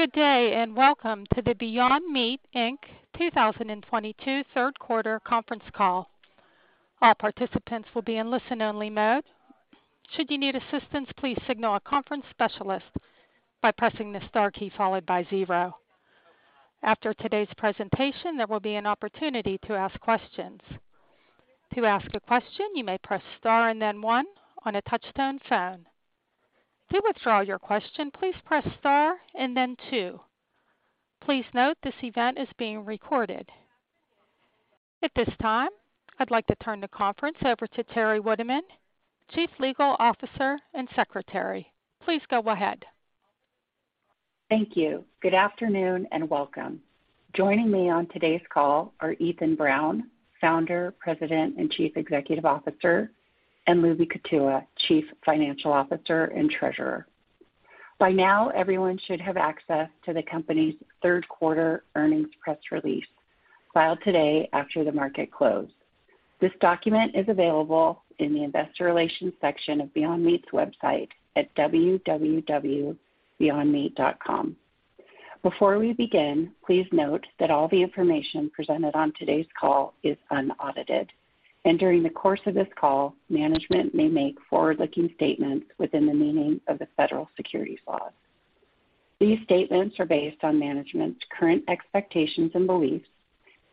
Good day, and welcome to the Beyond Meat, Inc. 2022 third quarter conference call. All participants will be in listen-only mode. Should you need assistance, please signal a conference specialist by pressing the star key followed by zero. After today's presentation, there will be an opportunity to ask questions. To ask a question, you may press star and then one on a touch-tone phone. To withdraw your question, please press star and then two. Please note this event is being recorded. At this time, I'd like to turn the conference over to Teri Witteman, Chief Legal Officer and Secretary. Please go ahead. Thank you. Good afternoon and welcome. Joining me on today's call are Ethan Brown, Founder, President, and Chief Executive Officer, and Lubi Kutua, Chief Financial Officer and Treasurer. By now, everyone should have access to the company's third quarter earnings press release filed today after the market closed. This document is available in the investor relations section of Beyond Meat's website at www.beyondmeat.com. Before we begin, please note that all the information presented on today's call is unaudited. During the course of this call, management may make forward-looking statements within the meaning of the federal securities laws. These statements are based on management's current expectations and beliefs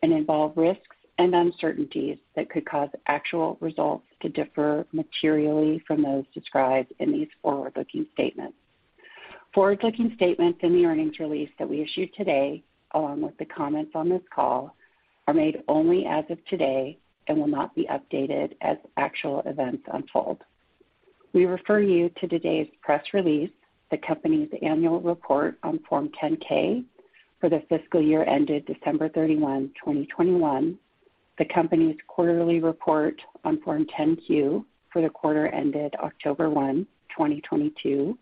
and involve risks and uncertainties that could cause actual results to differ materially from those described in these forward-looking statements. Forward-looking statements in the earnings release that we issued today, along with the comments on this call, are made only as of today and will not be updated as actual events unfold. We refer you to today's press release, the company's annual report on Form 10-K for the fiscal year ended December 31, 2021, the company's quarterly report on Form 10-Q for the quarter ended October 1, 2022,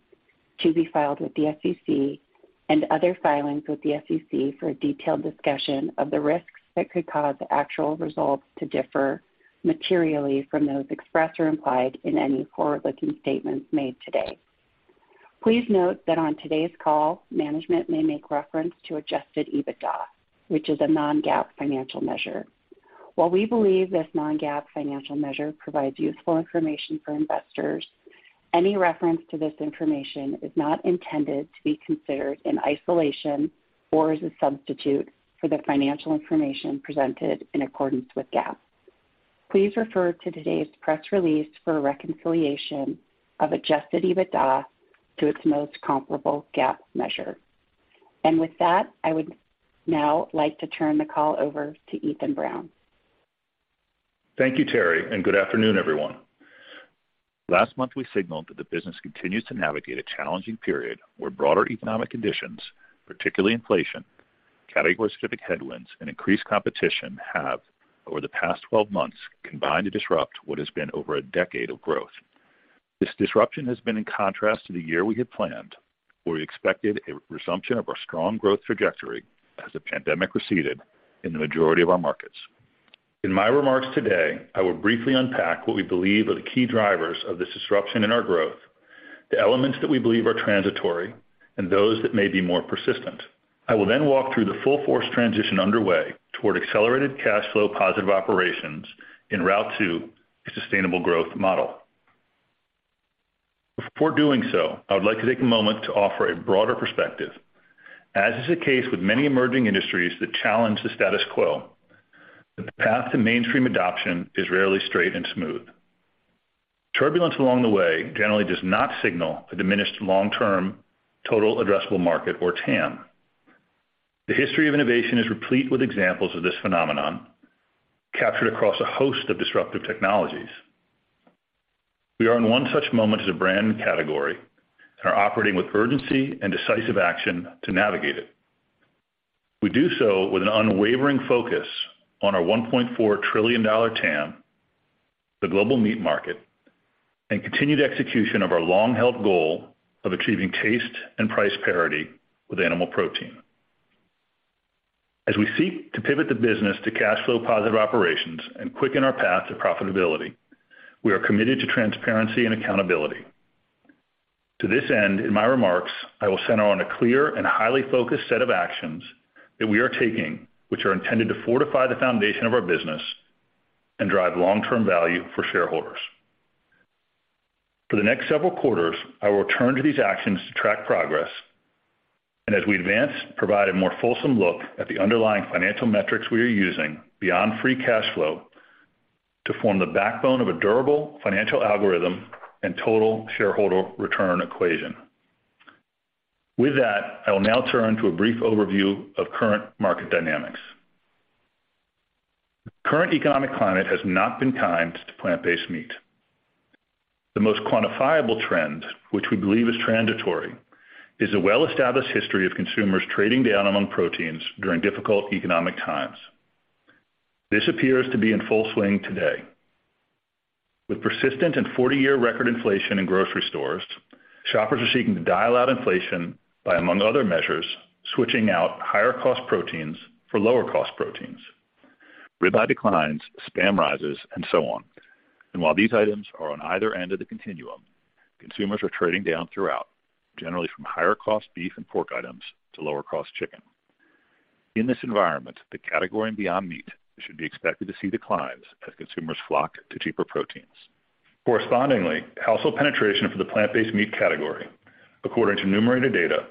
to be filed with the SEC and other filings with the SEC for a detailed discussion of the risks that could cause actual results to differ materially from those expressed or implied in any forward-looking statements made today. Please note that on today's call, management may make reference to adjusted EBITDA, which is a non-GAAP financial measure. While we believe this non-GAAP financial measure provides useful information for investors, any reference to this information is not intended to be considered in isolation or as a substitute for the financial information presented in accordance with GAAP. Please refer to today's press release for a reconciliation of adjusted EBITDA to its most comparable GAAP measure. With that, I would now like to turn the call over to Ethan Brown. Thank you, Teri, and good afternoon, everyone. Last month, we signaled that the business continues to navigate a challenging period where broader economic conditions, particularly inflation, category-specific headwinds and increased competition have, over the past 12 months, combined to disrupt what has been over a decade of growth. This disruption has been in contrast to the year we had planned, where we expected a resumption of our strong growth trajectory as the pandemic receded in the majority of our markets. In my remarks today, I will briefly unpack what we believe are the key drivers of this disruption in our growth, the elements that we believe are transitory, and those that may be more persistent. I will then walk through the full force transition underway toward accelerated cash flow positive operations in route to a sustainable growth model. Before doing so, I would like to take a moment to offer a broader perspective. As is the case with many emerging industries that challenge the status quo, the path to mainstream adoption is rarely straight and smooth. Turbulence along the way generally does not signal a diminished long-term total addressable market or TAM. The history of innovation is replete with examples of this phenomenon captured across a host of disruptive technologies. We are in one such moment as a brand and category and are operating with urgency and decisive action to navigate it. We do so with an unwavering focus on our $1.4 trillion TAM, the global meat market, and continued execution of our long-held goal of achieving taste and price parity with animal protein. As we seek to pivot the business to cash flow positive operations and quicken our path to profitability, we are committed to transparency and accountability. To this end, in my remarks, I will center on a clear and highly focused set of actions that we are taking, which are intended to fortify the foundation of our business and drive long-term value for shareholders. For the next several quarters, I will return to these actions to track progress, and as we advance, provide a more fulsome look at the underlying financial metrics we are using beyond free cash flow to form the backbone of a durable financial algorithm and total shareholder return equation. With that, I will now turn to a brief overview of current market dynamics. The current economic climate has not been kind to plant-based meat. The most quantifiable trend, which we believe is transitory, is a well-established history of consumers trading down among proteins during difficult economic times. This appears to be in full swing today. With persistent and 40-year record inflation in grocery stores, shoppers are seeking to dial out inflation by, among other measures, switching out higher cost proteins for lower cost proteins. Ribeye declines, Spam rises, and so on. While these items are on either end of the continuum, consumers are trading down throughout, generally from higher cost beef and pork items to lower cost chicken. In this environment, the category and Beyond Meat should be expected to see declines as consumers flock to cheaper proteins. Correspondingly, household penetration for the plant-based meat category, according to Numerator data,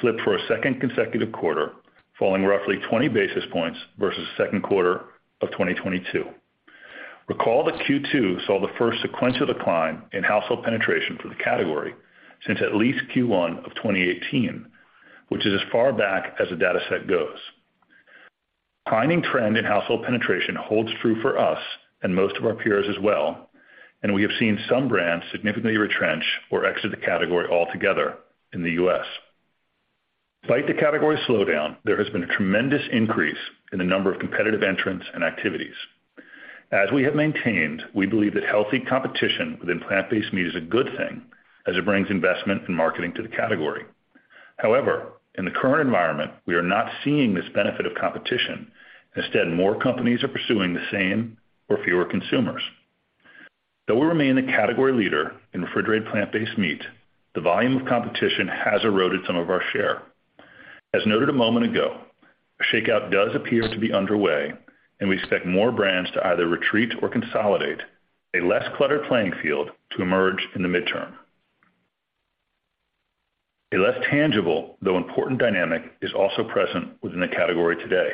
slipped for a second consecutive quarter, falling roughly 20 basis points versus second quarter of 2022. Recall that Q2 saw the first sequential decline in household penetration for the category since at least Q1 of 2018, which is as far back as the data set goes. Climbing trend in household penetration holds true for us and most of our peers as well, and we have seen some brands significantly retrench or exit the category altogether in the U.S. Despite the category slowdown, there has been a tremendous increase in the number of competitive entrants and activities. As we have maintained, we believe that healthy competition within plant-based meat is a good thing as it brings investment and marketing to the category. However, in the current environment, we are not seeing this benefit of competition. Instead, more companies are pursuing the same for fewer consumers. Though we remain the category leader in refrigerated plant-based meat, the volume of competition has eroded some of our share. As noted a moment ago, a shakeout does appear to be underway, and we expect more brands to either retreat or consolidate a less cluttered playing field to emerge in the midterm. A less tangible, though important dynamic, is also present within the category today.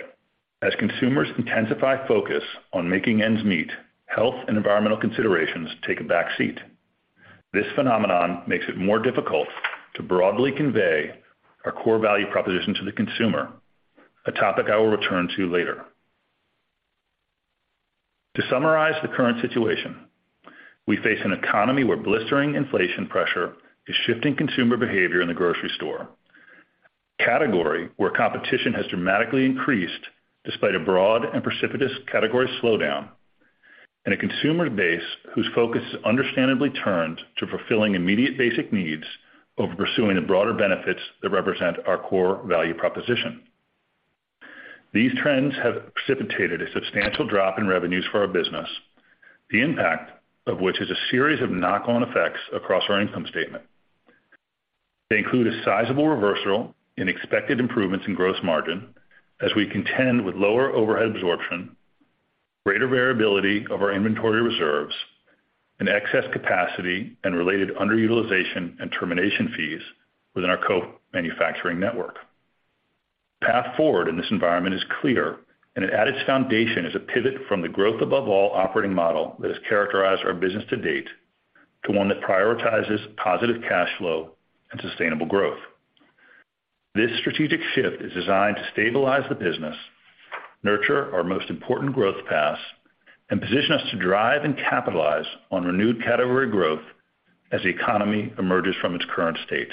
As consumers intensify focus on making ends meet, health and environmental considerations take a back seat. This phenomenon makes it more difficult to broadly convey our core value proposition to the consumer, a topic I will return to later. To summarize the current situation, we face an economy where blistering inflation pressure is shifting consumer behavior in the grocery store. Category, where competition has dramatically increased despite a broad and precipitous category slowdown, and a consumer base whose focus is understandably turned to fulfilling immediate basic needs over pursuing the broader benefits that represent our core value proposition. These trends have precipitated a substantial drop in revenues for our business, the impact of which is a series of knock-on effects across our income statement. They include a sizable reversal in expected improvements in gross margin as we contend with lower overhead absorption, greater variability of our inventory reserves, and excess capacity and related underutilization and termination fees within our co-manufacturing network. Path forward in this environment is clear, and at its foundation is a pivot from the growth above all operating model that has characterized our business to date to one that prioritizes positive cash flow and sustainable growth. This strategic shift is designed to stabilize the business, nurture our most important growth paths, and position us to drive and capitalize on renewed category growth as the economy emerges from its current state.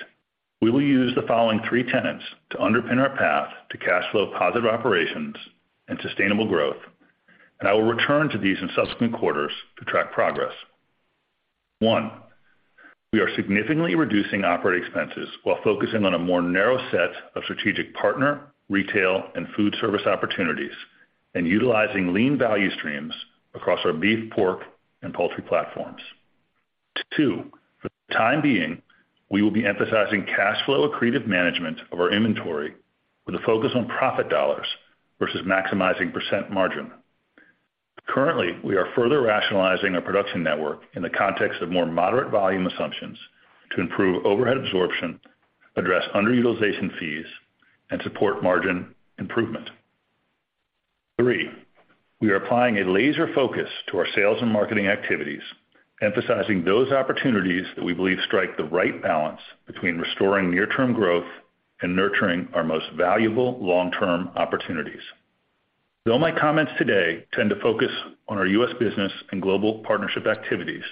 We will use the following three tenets to underpin our path to cash flow positive operations and sustainable growth, and I will return to these in subsequent quarters to track progress. One, we are significantly reducing operating expenses while focusing on a more narrow set of strategic partner, retail, and food service opportunities and utilizing lean value streams across our beef, pork, and poultry platforms. Two, for the time being, we will be emphasizing cash flow accretive management of our inventory with a focus on profit dollars versus maximizing percent margin. Currently, we are further rationalizing our production network in the context of more moderate volume assumptions to improve overhead absorption, address underutilization fees, and support margin improvement. Three, we are applying a laser focus to our sales and marketing activities, emphasizing those opportunities that we believe strike the right balance between restoring near-term growth and nurturing our most valuable long-term opportunities. Though my comments today tend to focus on our U.S. business and global partnership activities,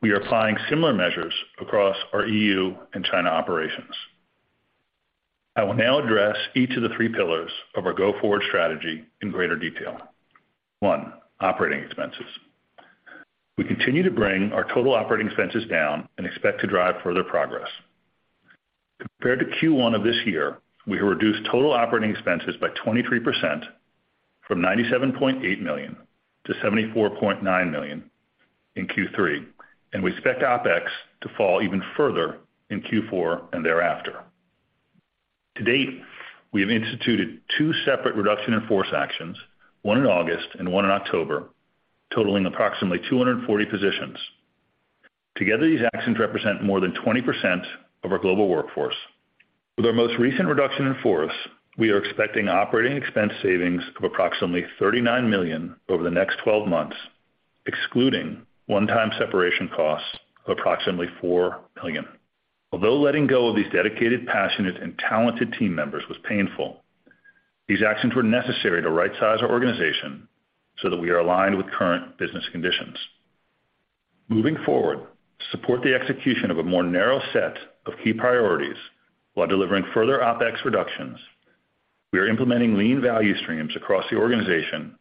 we are applying similar measures across our EU and China operations. I will now address each of the three pillars of our go-forward strategy in greater detail. One, operating expenses. We continue to bring our total operating expenses down and expect to drive further progress. Compared to Q1 of this year, we reduced total operating expenses by 23% from $97.8 million to $74.9 million in Q3, and we expect OpEx to fall even further in Q4 and thereafter. To date, we have instituted two separate reduction in force actions, one in August and one in October, totaling approximately 240 positions. Together, these actions represent more than 20% of our global workforce. With our most recent reduction in force, we are expecting operating expense savings of approximately $39 million over the next 12 months, excluding one-time separation costs of approximately $4 million. Although letting go of these dedicated, passionate, and talented team members was painful, these actions were necessary to right-size our organization so that we are aligned with current business conditions. Moving forward, to support the execution of a more narrow set of key priorities while delivering further OpEx reductions, we are implementing lean value streams across the organization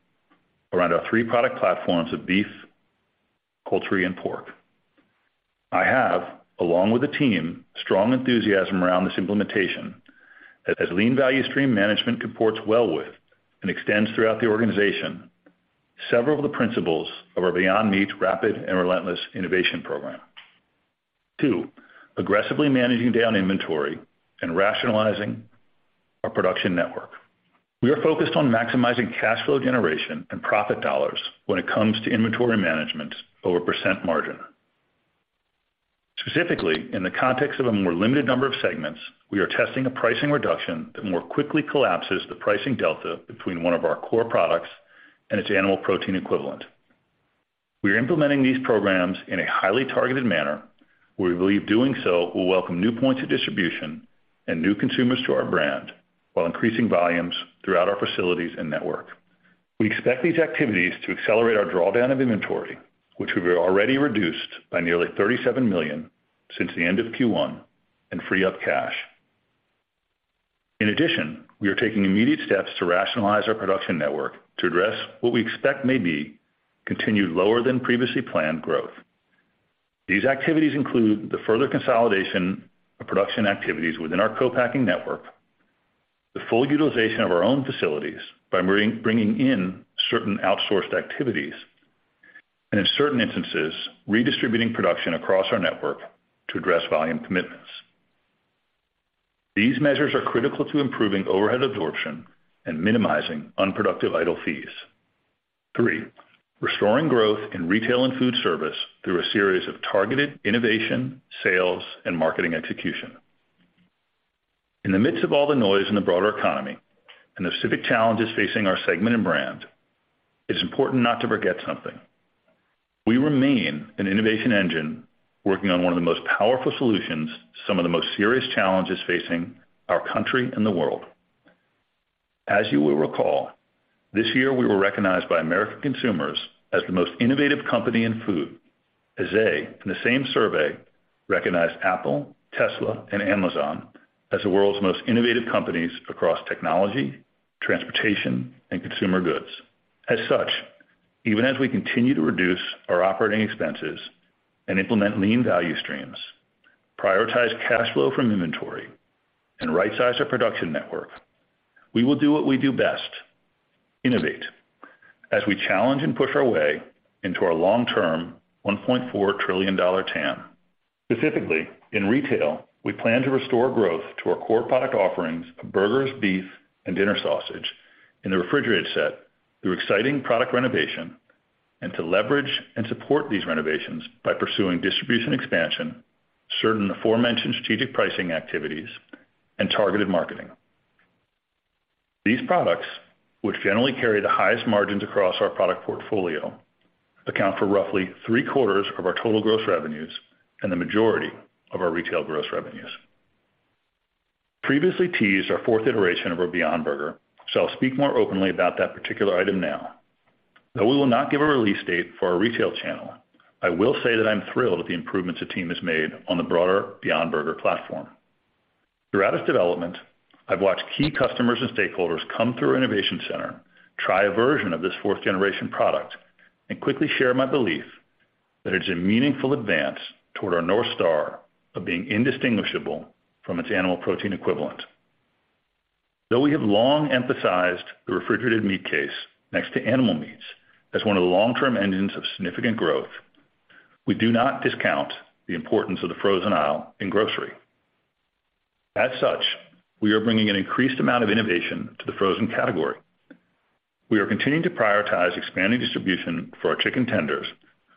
around our three product platforms of beef, poultry, and pork. I have, along with the team, strong enthusiasm around this implementation as lean value stream management comports well with and extends throughout the organization several of the principles of our Beyond Meat rapid and relentless innovation program. Two, aggressively managing down inventory and rationalizing our production network. We are focused on maximizing cash flow generation and profit dollars when it comes to inventory management over percent margin. Specifically, in the context of a more limited number of segments, we are testing a pricing reduction that more quickly collapses the pricing delta between one of our core products and its animal protein equivalent. We are implementing these programs in a highly targeted manner where we believe doing so will welcome new points of distribution and new consumers to our brand while increasing volumes throughout our facilities and network. We expect these activities to accelerate our drawdown of inventory, which we've already reduced by nearly $37 million since the end of Q1 and free up cash. In addition, we are taking immediate steps to rationalize our production network to address what we expect may be continued lower than previously planned growth. These activities include the further consolidation of production activities within our co-packing network, the full utilization of our own facilities by bringing in certain outsourced activities, and in certain instances, redistributing production across our network to address volume commitments. These measures are critical to improving overhead absorption and minimizing unproductive idle fees. Three, restoring growth in retail and food service through a series of targeted innovation, sales, and marketing execution. In the midst of all the noise in the broader economy and the civic challenges facing our segment and brand, it's important not to forget something. We remain an innovation engine working on one of the most powerful solutions to some of the most serious challenges facing our country and the world. As you will recall, this year we were recognized by American consumers as the most innovative company in food. As they, in the same survey, recognized Apple, Tesla, and Amazon as the world's most innovative companies across technology, transportation, and consumer goods. As such, even as we continue to reduce our operating expenses and implement lean value streams, prioritize cash flow from inventory, and right-size our production network, we will do what we do best, innovate as we challenge and push our way into our long-term $1.4 trillion TAM. Specifically, in retail, we plan to restore growth to our core product offerings of burgers, beef, and dinner sausage in the refrigerated set through exciting product renovation, and to leverage and support these renovations by pursuing distribution expansion, certain aforementioned strategic pricing activities, and targeted marketing. These products, which generally carry the highest margins across our product portfolio, account for roughly three-quarters of our total gross revenues and the majority of our retail gross revenues. Previously teased our fourth iteration of our Beyond Burger, so I'll speak more openly about that particular item now. Though we will not give a release date for our retail channel, I will say that I'm thrilled with the improvements the team has made on the broader Beyond Burger platform. Throughout its development, I've watched key customers and stakeholders come through our innovation center, try a version of this fourth generation product, and quickly share my belief that it's a meaningful advance toward our North Star of being indistinguishable from its animal protein equivalent. Though we have long emphasized the refrigerated meat case next to animal meats as one of the long-term engines of significant growth, we do not discount the importance of the frozen aisle in grocery. As such, we are bringing an increased amount of innovation to the frozen category. We are continuing to prioritize expanding distribution for our chicken tenders,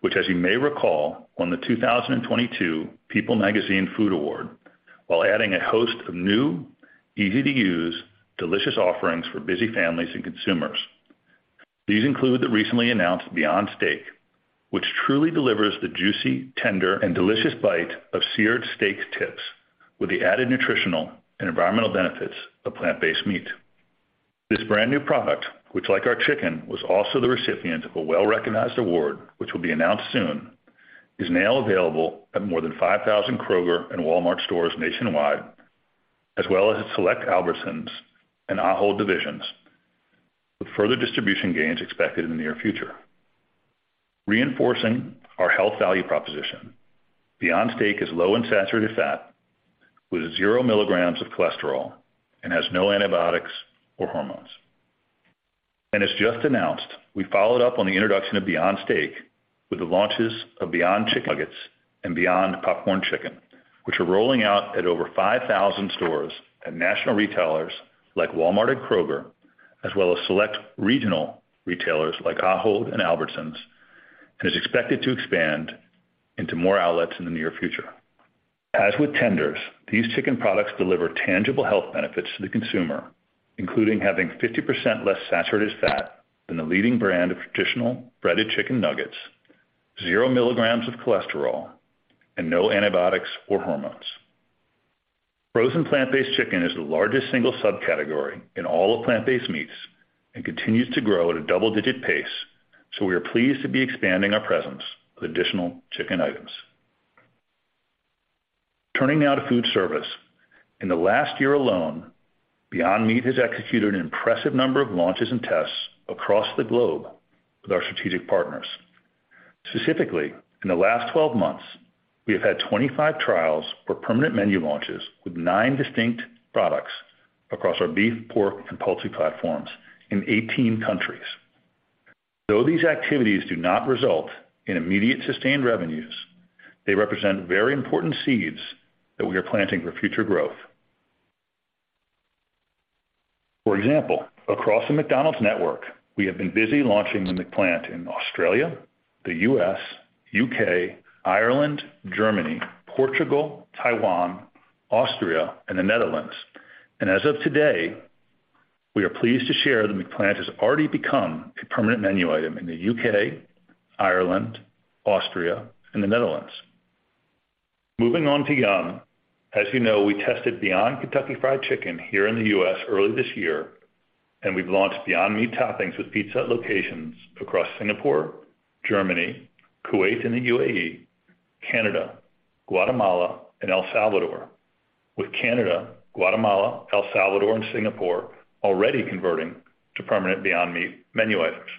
which as you may recall, won the 2022 People Magazine Food Award, while adding a host of new, easy-to-use, delicious offerings for busy families and consumers. These include the recently announced Beyond Steak, which truly delivers the juicy, tender, and delicious bite of seared steak tips with the added nutritional and environmental benefits of plant-based meat. This brand-new product, which like our chicken, was also the recipient of a well-recognized award, which will be announced soon, is now available at more than 5,000 Kroger and Walmart stores nationwide, as well as at select Albertsons and Ahold divisions, with further distribution gains expected in the near future. Reinforcing our health value proposition, Beyond Steak is low in saturated fat, with 0 mg of cholesterol, and has no antibiotics or hormones. As just announced, we followed up on the introduction of Beyond Steak with the launches of Beyond Chicken Nuggets and Beyond Popcorn Chicken, which are rolling out at over 5,000 stores at national retailers like Walmart and Kroger, as well as select regional retailers like Ahold and Albertsons, and is expected to expand into more outlets in the near future. As with Tenders, these chicken products deliver tangible health benefits to the consumer, including having 50% less saturated fat than the leading brand of traditional breaded chicken nuggets, 0 mg of cholesterol, and no antibiotics or hormones. Frozen plant-based chicken is the largest single subcategory in all of plant-based meats and continues to grow at a double-digit pace, so we are pleased to be expanding our presence with additional chicken items. Turning now to food service. In the last year alone, Beyond Meat has executed an impressive number of launches and tests across the globe with our strategic partners. Specifically, in the last 12 months, we have had 25 trials for permanent menu launches with nine distinct products across our beef, pork and poultry platforms in 18 countries. Though these activities do not result in immediate sustained revenues, they represent very important seeds that we are planting for future growth. For example, across the McDonald's network, we have been busy launching the McPlant in Australia, the U.S., U.K., Ireland, Germany, Portugal, Taiwan, Austria, and the Netherlands. As of today, we are pleased to share the McPlant has already become a permanent menu item in the U.K., Ireland, Austria and the Netherlands. Moving on to Yum. As you know, we tested Beyond Kentucky Fried Chicken here in the U.S. early this year, and we've launched Beyond Meat toppings with Pizza Hut locations across Singapore, Germany, Kuwait and the UAE, Canada, Guatemala and El Salvador, with Canada, Guatemala, El Salvador and Singapore already converting to permanent Beyond Meat menu items.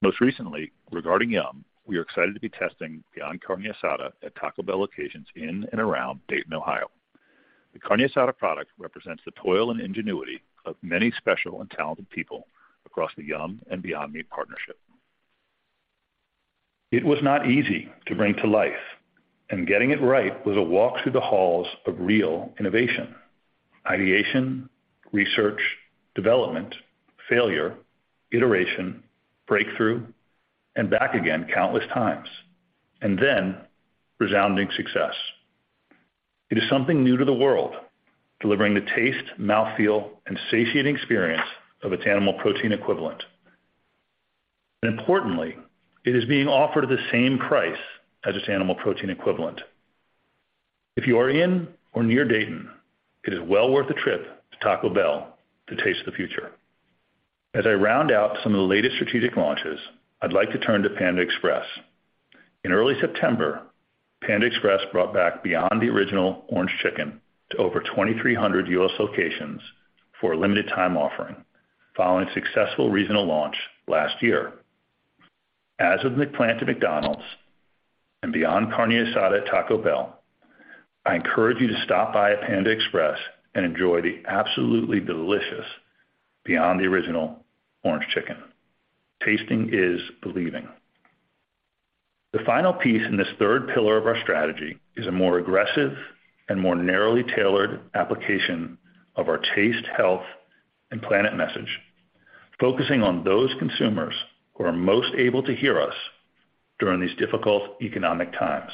Most recently regarding Yum, we are excited to be testing Beyond Carne Asada at Taco Bell locations in and around Dayton, Ohio. The Carne Asada product represents the toil and ingenuity of many special and talented people across the Yum and Beyond Meat partnership. It was not easy to bring to life, and getting it right was a walk through the halls of real innovation, ideation, research, development, failure, iteration, breakthrough, and back again countless times, and then resounding success. It is something new to the world, delivering the taste, mouthfeel, and satiating experience of its animal protein equivalent. Importantly, it is being offered at the same price as its animal protein equivalent. If you are in or near Dayton, it is well worth a trip to Taco Bell to taste the future. As I round out some of the latest strategic launches, I'd like to turn to Panda Express. In early September, Panda Express brought back Beyond The Original Orange Chicken to over 2,300 U.S. locations for a limited time offering following a successful regional launch last year. As with McPlant at McDonald's and Beyond Carne Asada at Taco Bell, I encourage you to stop by at Panda Express and enjoy the absolutely delicious Beyond The Original Orange Chicken. Tasting is believing. The final piece in this third pillar of our strategy is a more aggressive and more narrowly tailored application of our taste, health and planet message, focusing on those consumers who are most able to hear us during these difficult economic times.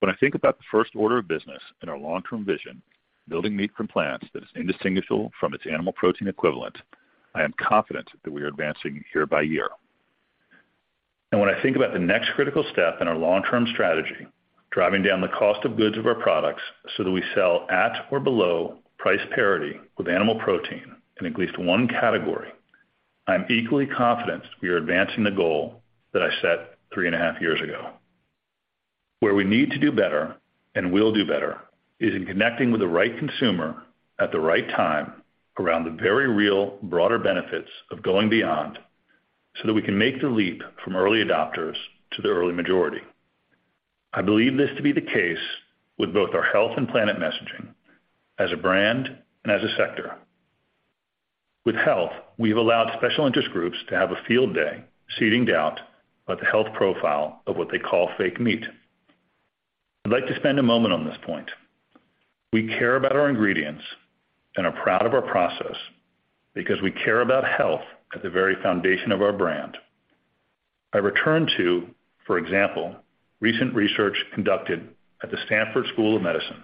When I think about the first order of business in our long-term vision, building meat from plants that is indistinguishable from its animal protein equivalent, I am confident that we are advancing year-by-year. When I think about the next critical step in our long-term strategy, driving down the cost of goods of our products so that we sell at or below price parity with animal protein in at least one category, I am equally confident we are advancing the goal that I set three and a half years ago. Where we need to do better and will do better, is in connecting with the right consumer at the right time around the very real broader benefits of going beyond, so that we can make the leap from early adopters to the early majority. I believe this to be the case with both our health and planet messaging as a brand and as a sector. With health, we have allowed special interest groups to have a field day seeding doubt about the health profile of what they call fake meat. I'd like to spend a moment on this point. We care about our ingredients and are proud of our process because we care about health at the very foundation of our brand. I return to, for example, recent research conducted at the Stanford School of Medicine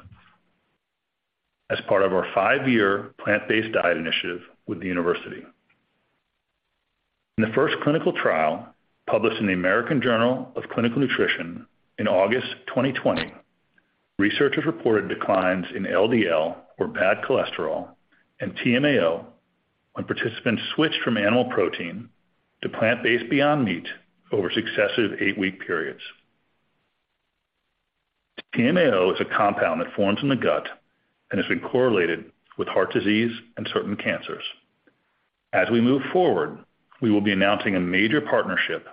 as part of our five-year plant-based diet initiative with the university. In the first clinical trial, published in The American Journal of Clinical Nutrition in August 2020, researchers reported declines in LDL or bad cholesterol and TMAO when participants switched from animal protein to plant-based Beyond Meat over successive eight-week periods. TMAO is a compound that forms in the gut and has been correlated with heart disease and certain cancers. As we move forward, we will be announcing a major partnership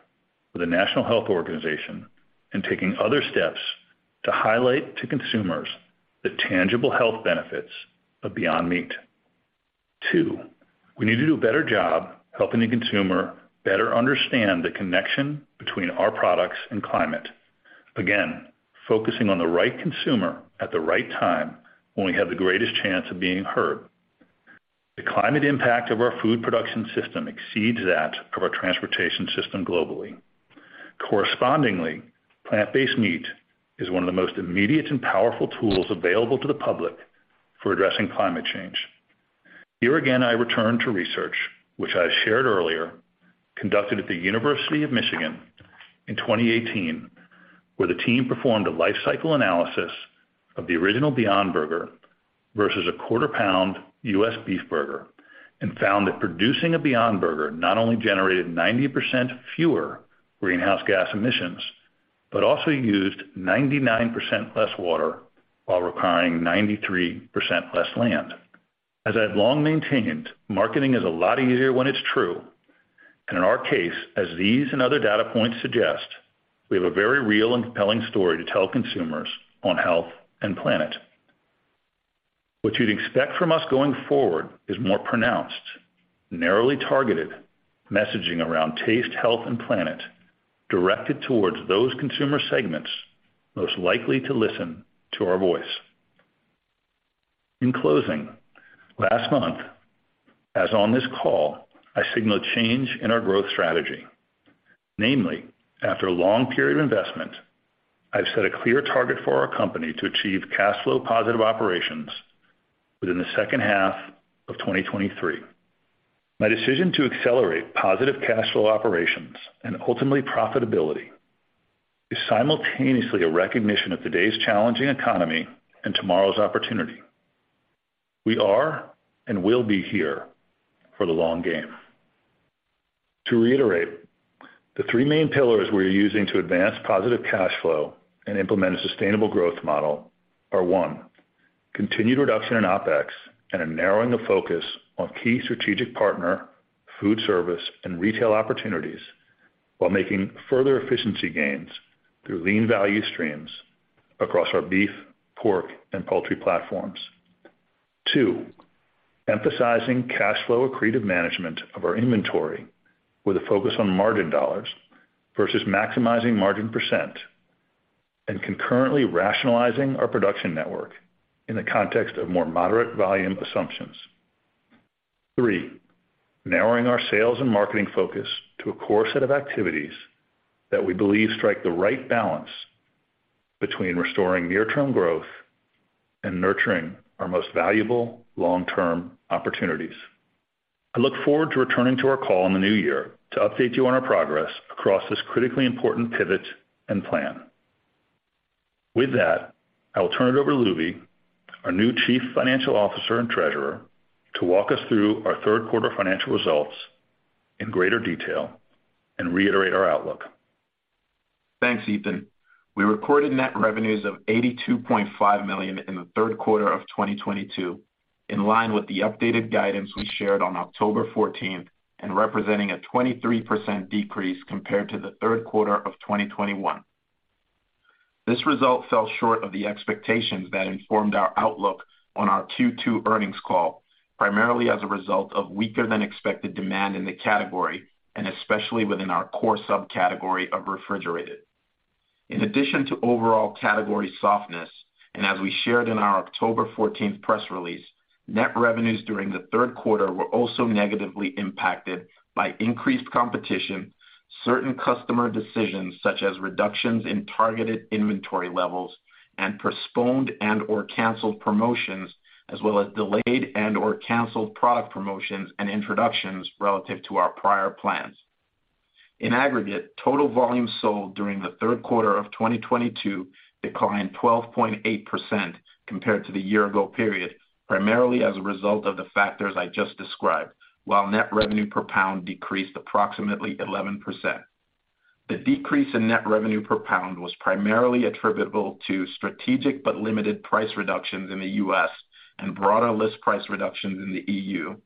with a national health organization and taking other steps to highlight to consumers the tangible health benefits of Beyond Meat. Two, we need to do a better job helping the consumer better understand the connection between our products and climate. Again, focusing on the right consumer at the right time when we have the greatest chance of being heard. The climate impact of our food production system exceeds that of our transportation system globally. Correspondingly, plant-based meat is one of the most immediate and powerful tools available to the public for addressing climate change. Here again, I return to research which I shared earlier, conducted at the University of Michigan in 2018, where the team performed a life-cycle analysis of the original Beyond Burger versus a quarter-pound U.S. beef burger, and found that producing a Beyond Burger not only generated 90% fewer greenhouse gas emissions, but also used 99% less water while requiring 93% less land. As I've long maintained, marketing is a lot easier when it's true. In our case, as these and other data points suggest, we have a very real and compelling story to tell consumers on health and planet. What you'd expect from us going forward is more pronounced, narrowly targeted messaging around taste, health and planet, directed towards those consumer segments most likely to listen to our voice. In closing, last month, as on this call, I signaled change in our growth strategy. Namely, after a long period of investment, I've set a clear target for our company to achieve cash flow positive operations within the second half of 2023. My decision to accelerate positive cash flow operations and ultimately profitability, is simultaneously a recognition of today's challenging economy and tomorrow's opportunity. We are and will be here for the long game. To reiterate, the three main pillars we're using to advance positive cash flow and implement a sustainable growth model are; one, continued reduction in OpEx and a narrowing of focus on key strategic partner, food service and retail opportunities, while making further efficiency gains through lean value streams across our beef, pork and poultry platforms. Two, emphasizing cash flow accretive management of our inventory with a focus on margin dollars versus maximizing margin percent, and concurrently rationalizing our production network in the context of more moderate volume assumptions. Three, narrowing our sales and marketing focus to a core set of activities that we believe strike the right balance between restoring near-term growth and nurturing our most valuable long-term opportunities. I look forward to returning to our call in the new year to update you on our progress across this critically important pivot and plan. With that, I will turn it over to Lubi, our new Chief Financial Officer and Treasurer, to walk us through our third quarter financial results in greater detail and reiterate our outlook. Thanks, Ethan. We recorded net revenues of $82.5 million in the third quarter of 2022, in line with the updated guidance we shared on October 14th and representing a 23% decrease compared to the third quarter of 2021. This result fell short of the expectations that informed our outlook on our Q2 earnings call, primarily as a result of weaker than expected demand in the category and especially within our core subcategory of refrigerated. In addition to overall category softness, and as we shared in our October 14th press release, net revenues during the third quarter were also negatively impacted by increased competition, certain customer decisions such as reductions in targeted inventory levels and postponed and/or canceled promotions, as well as delayed and/or canceled product promotions and introductions relative to our prior plans. In aggregate, total volume sold during the third quarter of 2022 declined 12.8% compared to the year ago period, primarily as a result of the factors I just described. While net revenue per pound decreased approximately 11%. The decrease in net revenue per pound was primarily attributable to strategic but limited price reductions in the US and broader list price reductions in the EU,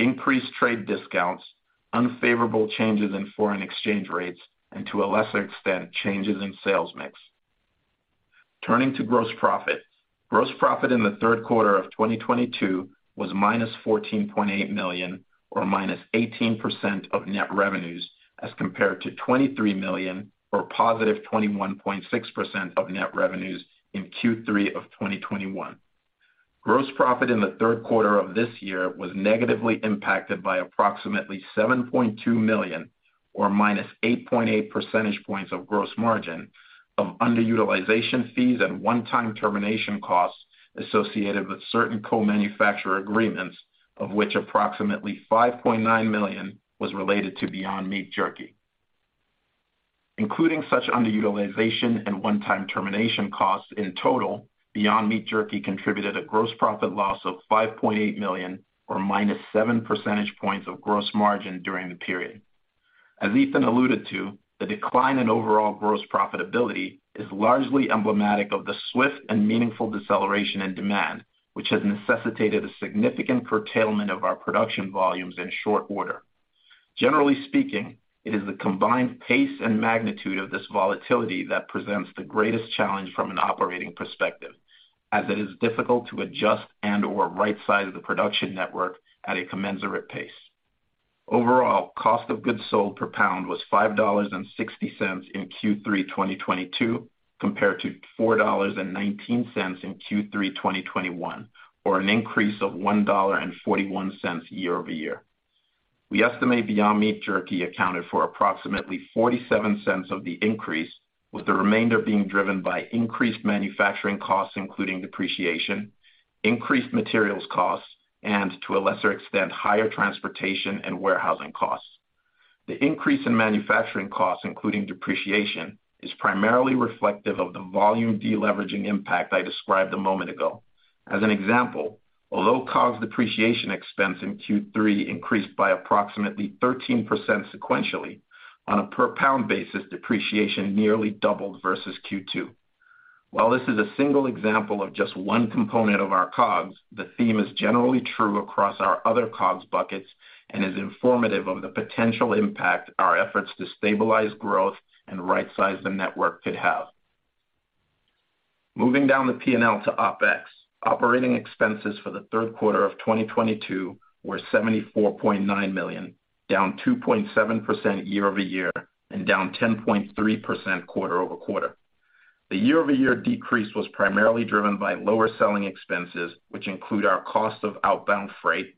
increased trade discounts, unfavorable changes in foreign exchange rates, and to a lesser extent, changes in sales mix. Turning to gross profit. Gross profit in the third quarter of 2022 was -$14.8 million or -18% of net revenues as compared to $23 million or +21.6% of net revenues in Q3 of 2021. Gross profit in the third quarter of this year was negatively impacted by approximately $7.2 million, or -8.8 percentage points to gross margin from underutilization fees and one-time termination costs associated with certain co-manufacturer agreements, of which approximately $5.9 million was related to Beyond Meat Jerky. Including such underutilization and one-time termination costs, in total, Beyond Meat Jerky contributed a gross profit loss of $5.8 million, or -7 percentage points to gross margin during the period. As Ethan alluded to, the decline in overall gross profitability is largely emblematic of the swift and meaningful deceleration in demand, which has necessitated a significant curtailment of our production volumes in short order. Generally speaking, it is the combined pace and magnitude of this volatility that presents the greatest challenge from an operating perspective, as it is difficult to adjust and or right-size the production network at a commensurate pace. Overall, cost of goods sold per pound was $5.60 in Q3 2022, compared to $4.19 in Q3 2021, or an increase of $1.41 year-over-year. We estimate Beyond Meat Jerky accounted for approximately $0.47 of the increase, with the remainder being driven by increased manufacturing costs, including depreciation, increased materials costs, and to a lesser extent, higher transportation and warehousing costs. The increase in manufacturing costs, including depreciation, is primarily reflective of the volume deleveraging impact I described a moment ago. As an example, although COGS depreciation expense in Q3 increased by approximately 13% sequentially on a per pound basis, depreciation nearly doubled versus Q2. While this is a single example of just one component of our COGS, the theme is generally true across our other COGS buckets and is informative of the potential impact our efforts to stabilize growth and right-size the network could have. Moving down the P&L to OpEx. Operating expenses for the third quarter of 2022 were $74.9 million, down 2.7% year-over-year and down 10.3% quarter-over-quarter. The year-over-year decrease was primarily driven by lower selling expenses, which include our cost of outbound freight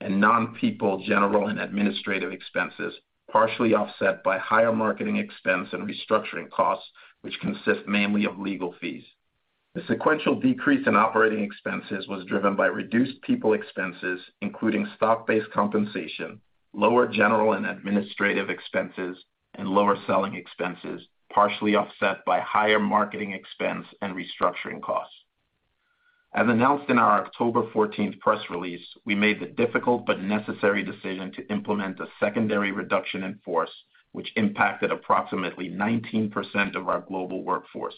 and non-people general and administrative expenses, partially offset by higher marketing expense and restructuring costs, which consist mainly of legal fees. The sequential decrease in operating expenses was driven by reduced people expenses, including stock-based compensation, lower general and administrative expenses, and lower selling expenses, partially offset by higher marketing expense and restructuring costs. As announced in our October 14 press release, we made the difficult but necessary decision to implement a secondary reduction in force, which impacted approximately 19% of our global workforce.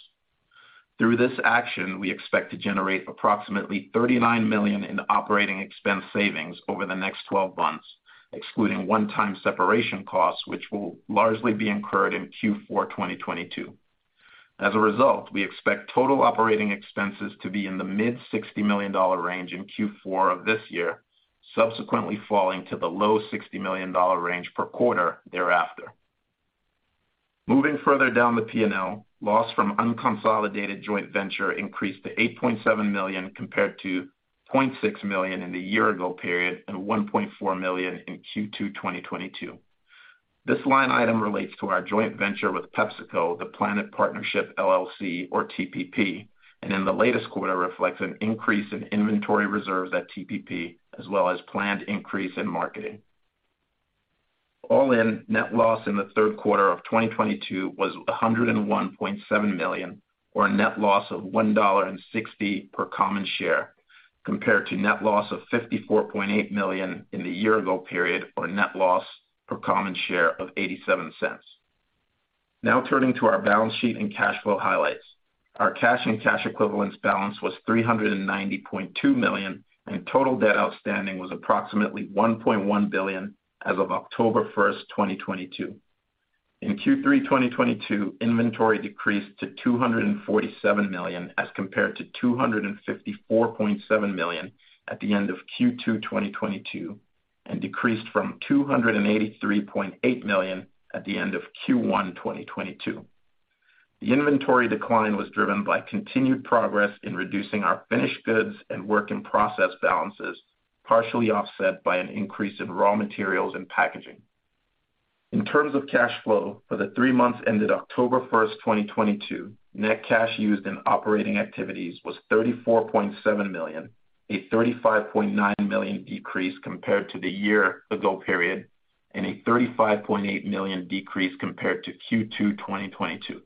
Through this action, we expect to generate approximately $39 million in operating expense savings over the next 12 months, excluding one-time separation costs, which will largely be incurred in Q4 2022. As a result, we expect total operating expenses to be in the mid $60 million range in Q4 of this year, subsequently falling to the low $60 million range per quarter thereafter. Moving further down the P&L, loss from unconsolidated joint venture increased to $8.7 million compared to $0.6 million in the year ago period and $1.4 million in Q2 2022. This line item relates to our joint venture with PepsiCo, The PLANeT Partnership, LLC, or TPP, and in the latest quarter reflects an increase in inventory reserves at TPP, as well as planned increase in marketing. All in, net loss in the third quarter of 2022 was $101.7 million, or a net loss of $1.60 per common share, compared to net loss of $54.8 million in the year ago period, or net loss per common share of $0.87. Now turning to our balance sheet and cash flow highlights. Our cash and cash equivalents balance was $390.2 million, and total debt outstanding was approximately $1.1 billion as of October 1st, 2022. In Q3 2022, inventory decreased to $247 million as compared to $254.7 million at the end of Q2 2022, and decreased from $283.8 million at the end of Q1 2022. The inventory decline was driven by continued progress in reducing our finished goods and work in process balances, partially offset by an increase in raw materials and packaging. In terms of cash flow, for the three months ended October 1st, 2022, net cash used in operating activities was $34.7 million, a $35.9 million decrease compared to the year ago period, and a $35.8 million decrease compared to Q2 2022.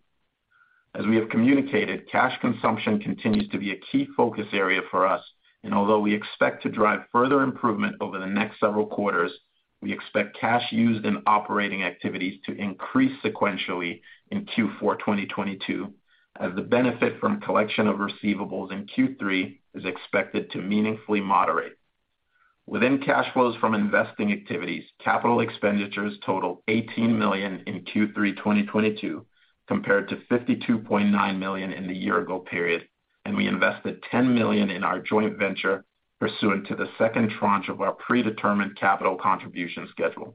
As we have communicated, cash consumption continues to be a key focus area for us. Although we expect to drive further improvement over the next several quarters, we expect cash used in operating activities to increase sequentially in Q4 2022, as the benefit from collection of receivables in Q3 is expected to meaningfully moderate. Within cash flows from investing activities, capital expenditures totaled $18 million in Q3 2022 compared to $52.9 million in the year ago period, and we invested $10 million in our joint venture pursuant to the second tranche of our predetermined capital contribution schedule.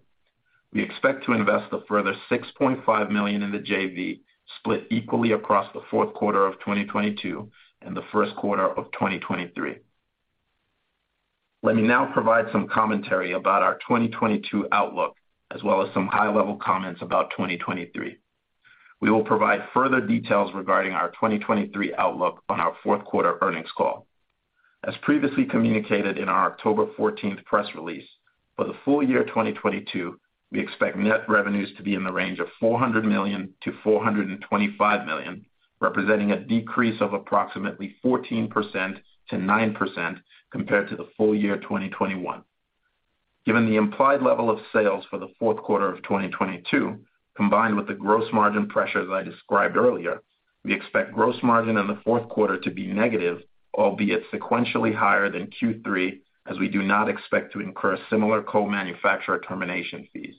We expect to invest a further $6.5 million in the JV, split equally across the fourth quarter of 2022 and the first quarter of 2023. Let me now provide some commentary about our 2022 outlook as well as some high-level comments about 2023. We will provide further details regarding our 2023 outlook on our fourth quarter earnings call. As previously communicated in our October 14 press release, for the full year 2022, we expect net revenues to be in the range of $400 million-$425 million, representing a decrease of approximately 14%-9% compared to the full year 2021. Given the implied level of sales for the fourth quarter of 2022, combined with the gross margin pressures I described earlier, we expect gross margin in the fourth quarter to be negative, albeit sequentially higher than Q3, as we do not expect to incur similar co-manufacturer termination fees.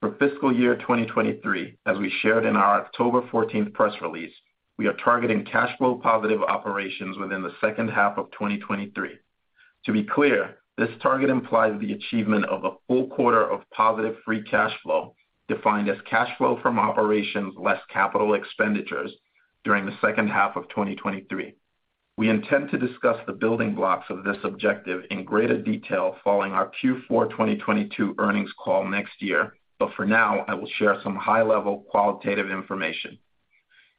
For fiscal year 2023, as we shared in our October 14 press release, we are targeting cash flow positive operations within the second half of 2023. To be clear, this target implies the achievement of a full quarter of positive free cash flow, defined as cash flow from operations less capital expenditures during the second half of 2023. We intend to discuss the building blocks of this objective in greater detail following our Q4 2022 earnings call next year. For now, I will share some high-level qualitative information.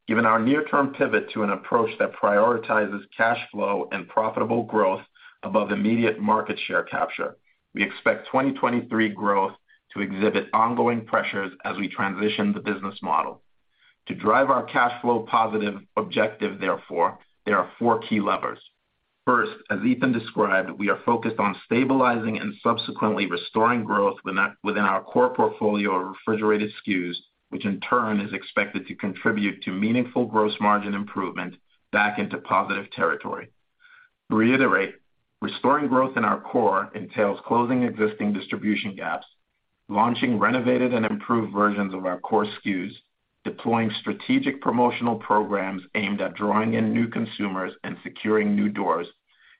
Given our near-term pivot to an approach that prioritizes cash flow and profitable growth above immediate market share capture, we expect 2023 growth to exhibit ongoing pressures as we transition the business model. To drive our cash flow positive objective, therefore, there are four key levers. First, as Ethan described, we are focused on stabilizing and subsequently restoring growth within our core portfolio of refrigerated SKUs, which in turn is expected to contribute to meaningful gross margin improvement back into positive territory. To reiterate, restoring growth in our core entails closing existing distribution gaps, launching renovated and improved versions of our core SKUs, deploying strategic promotional programs aimed at drawing in new consumers and securing new doors,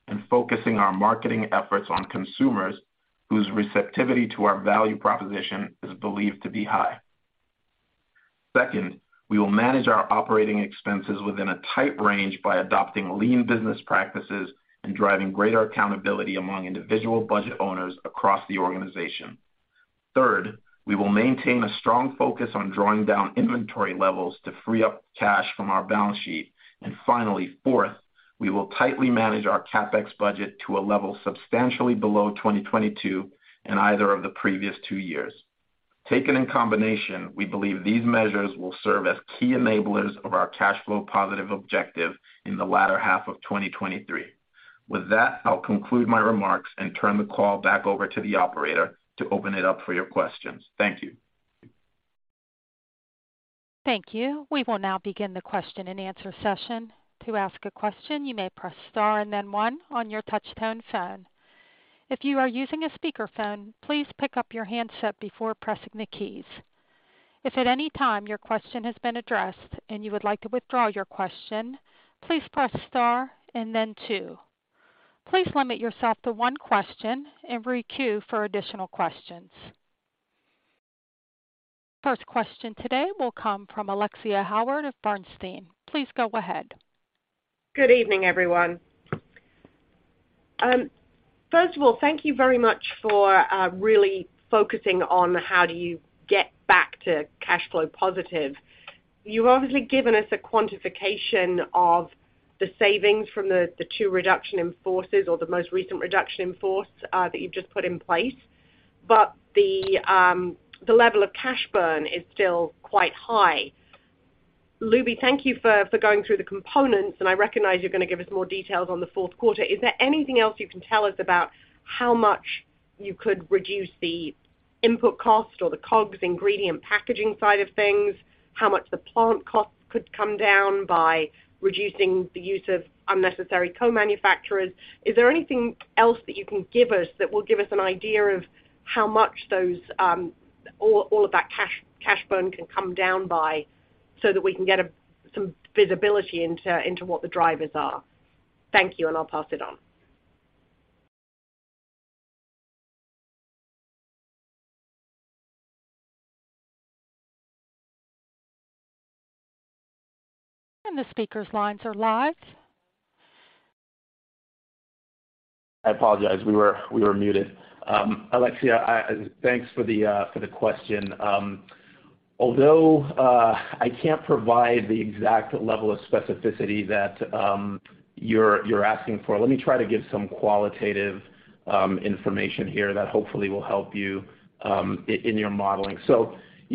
and focusing our marketing efforts on consumers whose receptivity to our value proposition is believed to be high. Second, we will manage our operating expenses within a tight range by adopting lean business practices and driving greater accountability among individual budget owners across the organization. Third, we will maintain a strong focus on drawing down inventory levels to free up cash from our balance sheet. Finally, fourth, we will tightly manage our CapEx budget to a level substantially below 2022 in either of the previous two years. Taken in combination, we believe these measures will serve as key enablers of our cash flow positive objective in the latter half of 2023. With that, I'll conclude my remarks and turn the call back over to the operator to open it up for your questions. Thank you. Thank you. We will now begin the question-and-answer session. To ask a question, you may press star and then one on your touchtone phone. If you are using a speakerphone, please pick up your handset before pressing the keys. If at any time your question has been addressed and you would like to withdraw your question, please press star and then two. Please limit yourself to one question and re-queue for additional questions. First question today will come from Alexia Howard of Bernstein. Please go ahead. Good evening, everyone. First of all, thank you very much for really focusing on how do you get back to cash flow positive. You've obviously given us a quantification of the savings from the two reduction in forces or the most recent reduction in force that you've just put in place, but the level of cash burn is still quite high. Lubi, thank you for going through the components, and I recognize you're going to give us more details on the fourth quarter. Is there anything else you can tell us about how much you could reduce the input cost or the COGS ingredient packaging side of things, how much the plant costs could come down by reducing the use of unnecessary co-manufacturers? Is there anything else that you can give us that will give us an idea of how much those all of that cash burn can come down by so that we can get some visibility into what the drivers are? Thank you, and I'll pass it on. The speaker's lines are live. I apologize. We were muted. Alexia, thanks for the question. Although I can't provide the exact level of specificity that you're asking for, let me try to give some qualitative information here that hopefully will help you in your modeling.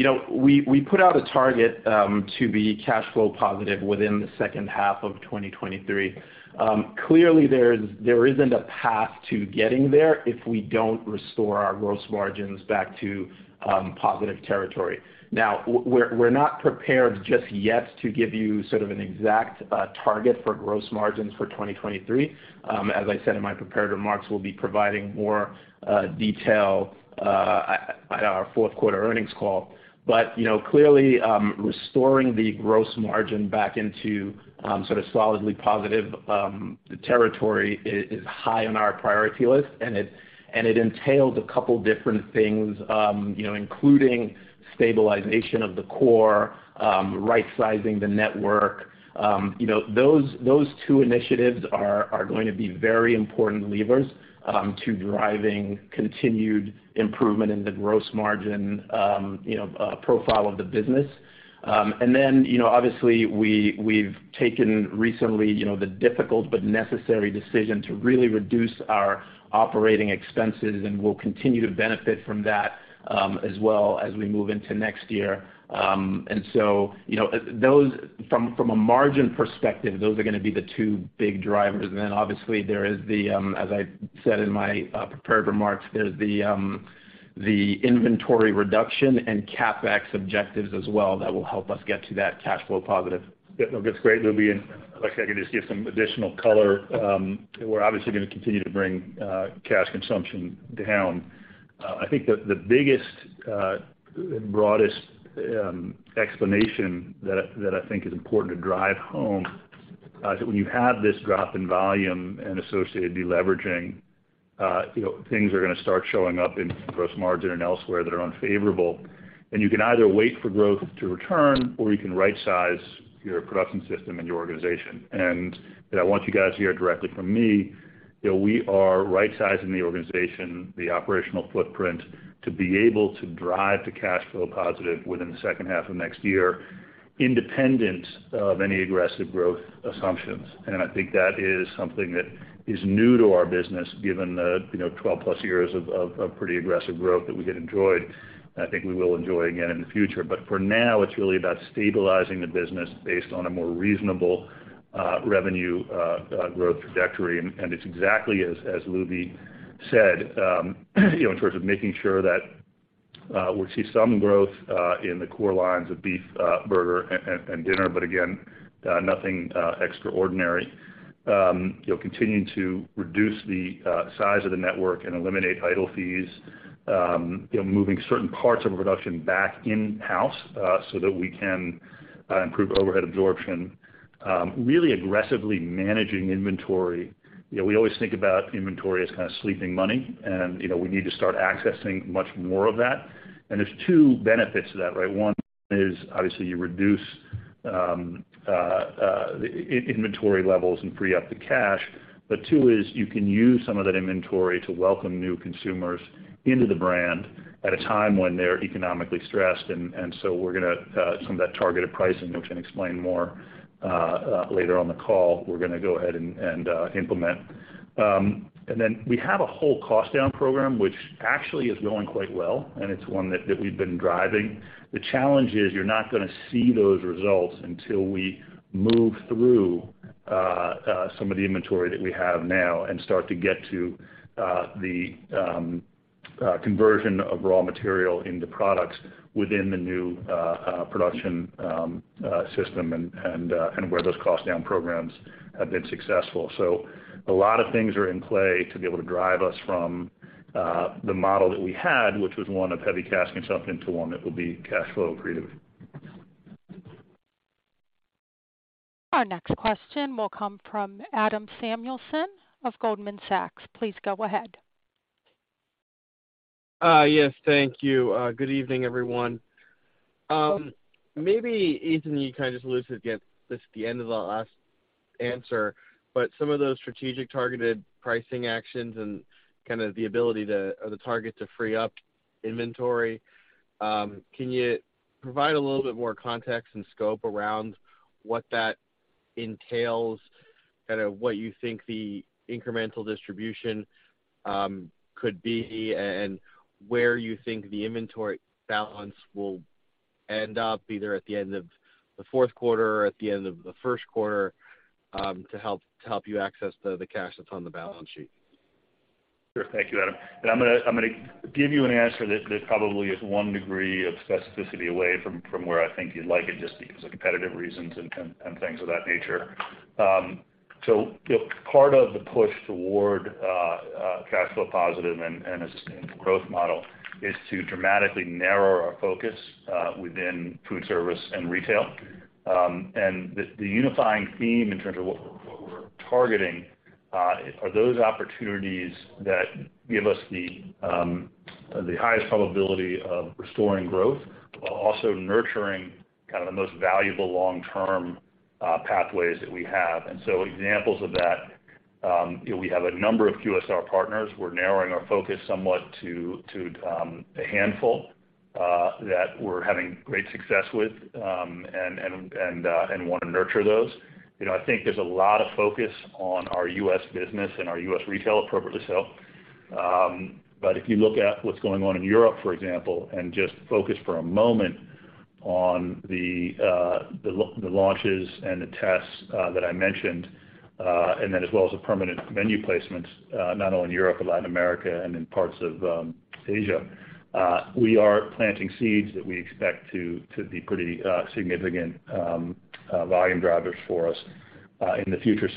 You know, we put out a target to be cash flow positive within the second half of 2023. Clearly, there isn't a path to getting there if we don't restore our gross margins back to positive territory. Now, we're not prepared just yet to give you sort of an exact target for gross margins for 2023. As I said in my prepared remarks, we'll be providing more detail at our fourth-quarter earnings call. You know, clearly, restoring the gross margin back into sort of solidly positive territory is high on our priority list, and it entails a couple different things, you know, including stabilization of the core, right-sizing the network. You know, those two initiatives are going to be very important levers to driving continued improvement in the gross margin, you know, profile of the business. Then, you know, obviously we've taken recently, you know, the difficult but necessary decision to really reduce our operating expenses, and we'll continue to benefit from that as well as we move into next year. You know, those, from a margin perspective, those are gonna be the two big drivers. Obviously there is, as I said in my prepared remarks, there's the inventory reduction and CapEx objectives as well that will help us get to that cash flow positive. That's great, Lubi. Alexia, if I could just give some additional color. We're obviously gonna continue to bring cash consumption down. I think the biggest, broadest explanation that I think is important to drive home is when you have this drop in volume and associated deleveraging, you know, things are gonna start showing up in gross margin and elsewhere that are unfavorable. You can either wait for growth to return, or you can right-size your production system and your organization. I want you guys to hear directly from me that we are right-sizing the organization, the operational footprint, to be able to drive to cash flow positive within the second half of next year. Independent of any aggressive growth assumptions. I think that is something that is new to our business, given the 12+ years of pretty aggressive growth that we had enjoyed, and I think we will enjoy again in the future. For now, it's really about stabilizing the business based on a more reasonable revenue growth trajectory. It's exactly as Lubi said, in terms of making sure that we see some growth in the core lines of beef, burger and dinner, but again, nothing extraordinary. Continuing to reduce the size of the network and eliminate idle fees. Moving certain parts of our production back in-house, so that we can improve overhead absorption. Really aggressively managing inventory. You know, we always think about inventory as kind of sleeping money and, you know, we need to start accessing much more of that. There's two benefits to that, right? One is obviously you reduce inventory levels and free up the cash. Two is you can use some of that inventory to welcome new consumers into the brand at a time when they're economically stressed. We're gonna, some of that targeted pricing, which I'll explain more later on the call. We're gonna go ahead and implement. Then we have a whole cost down program, which actually is going quite well, and it's one that we've been driving. The challenge is you're not gonna see those results until we move through some of the inventory that we have now and start to get to the conversion of raw material into products within the new production system and where those cost down programs have been successful. A lot of things are in play to be able to drive us from the model that we had, which was one of heavy cash consumption, to one that will be cash flow creative. Our next question will come from Adam Samuelson of Goldman Sachs. Please go ahead. Yes, thank you. Good evening, everyone. Maybe, Ethan, you kind of just alluded to, I guess, just at the end of the last answer, but some of those strategic targeted pricing actions and kind of the ability of the target to free up inventory, can you provide a little bit more context and scope around what that entails, kind of what you think the incremental distribution could be, and where you think the inventory balance will end up, either at the end of the fourth quarter or at the end of the first quarter, to help you access the cash that's on the balance sheet. Sure. Thank you, Adam. I'm gonna give you an answer that probably is one degree of specificity away from where I think you'd like it, just because of competitive reasons and things of that nature. You know, part of the push toward cash flow positive and a sustainable growth model is to dramatically narrow our focus within food service and retail. The unifying theme in terms of what we're targeting are those opportunities that give us the highest probability of restoring growth while also nurturing kind of the most valuable long-term pathways that we have. Examples of that, you know, we have a number of QSR partners. We're narrowing our focus somewhat to a handful that we're having great success with, and wanna nurture those. You know, I think there's a lot of focus on our U.S. business and our U.S. retail, appropriately so. If you look at what's going on in Europe, for example, and just focus for a moment on the launches and the tests that I mentioned, and then as well as the permanent menu placements, not only in Europe, but Latin America and in parts of Asia, we are planting seeds that we expect to be pretty significant volume drivers for us in the future.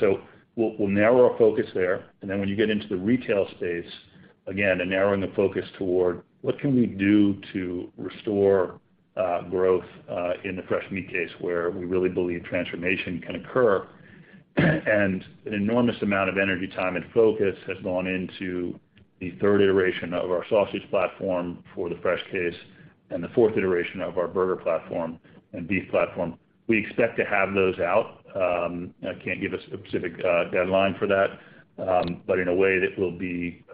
We'll narrow our focus there, and then when you get into the retail space, again, and narrowing the focus toward what can we do to restore growth in the fresh meat case, where we really believe transformation can occur. An enormous amount of energy, time, and focus has gone into the third iteration of our sausage platform for the fresh case and the fourth iteration of our burger platform and beef platform. We expect to have those out, and I can't give a specific deadline for that, but in a way that will be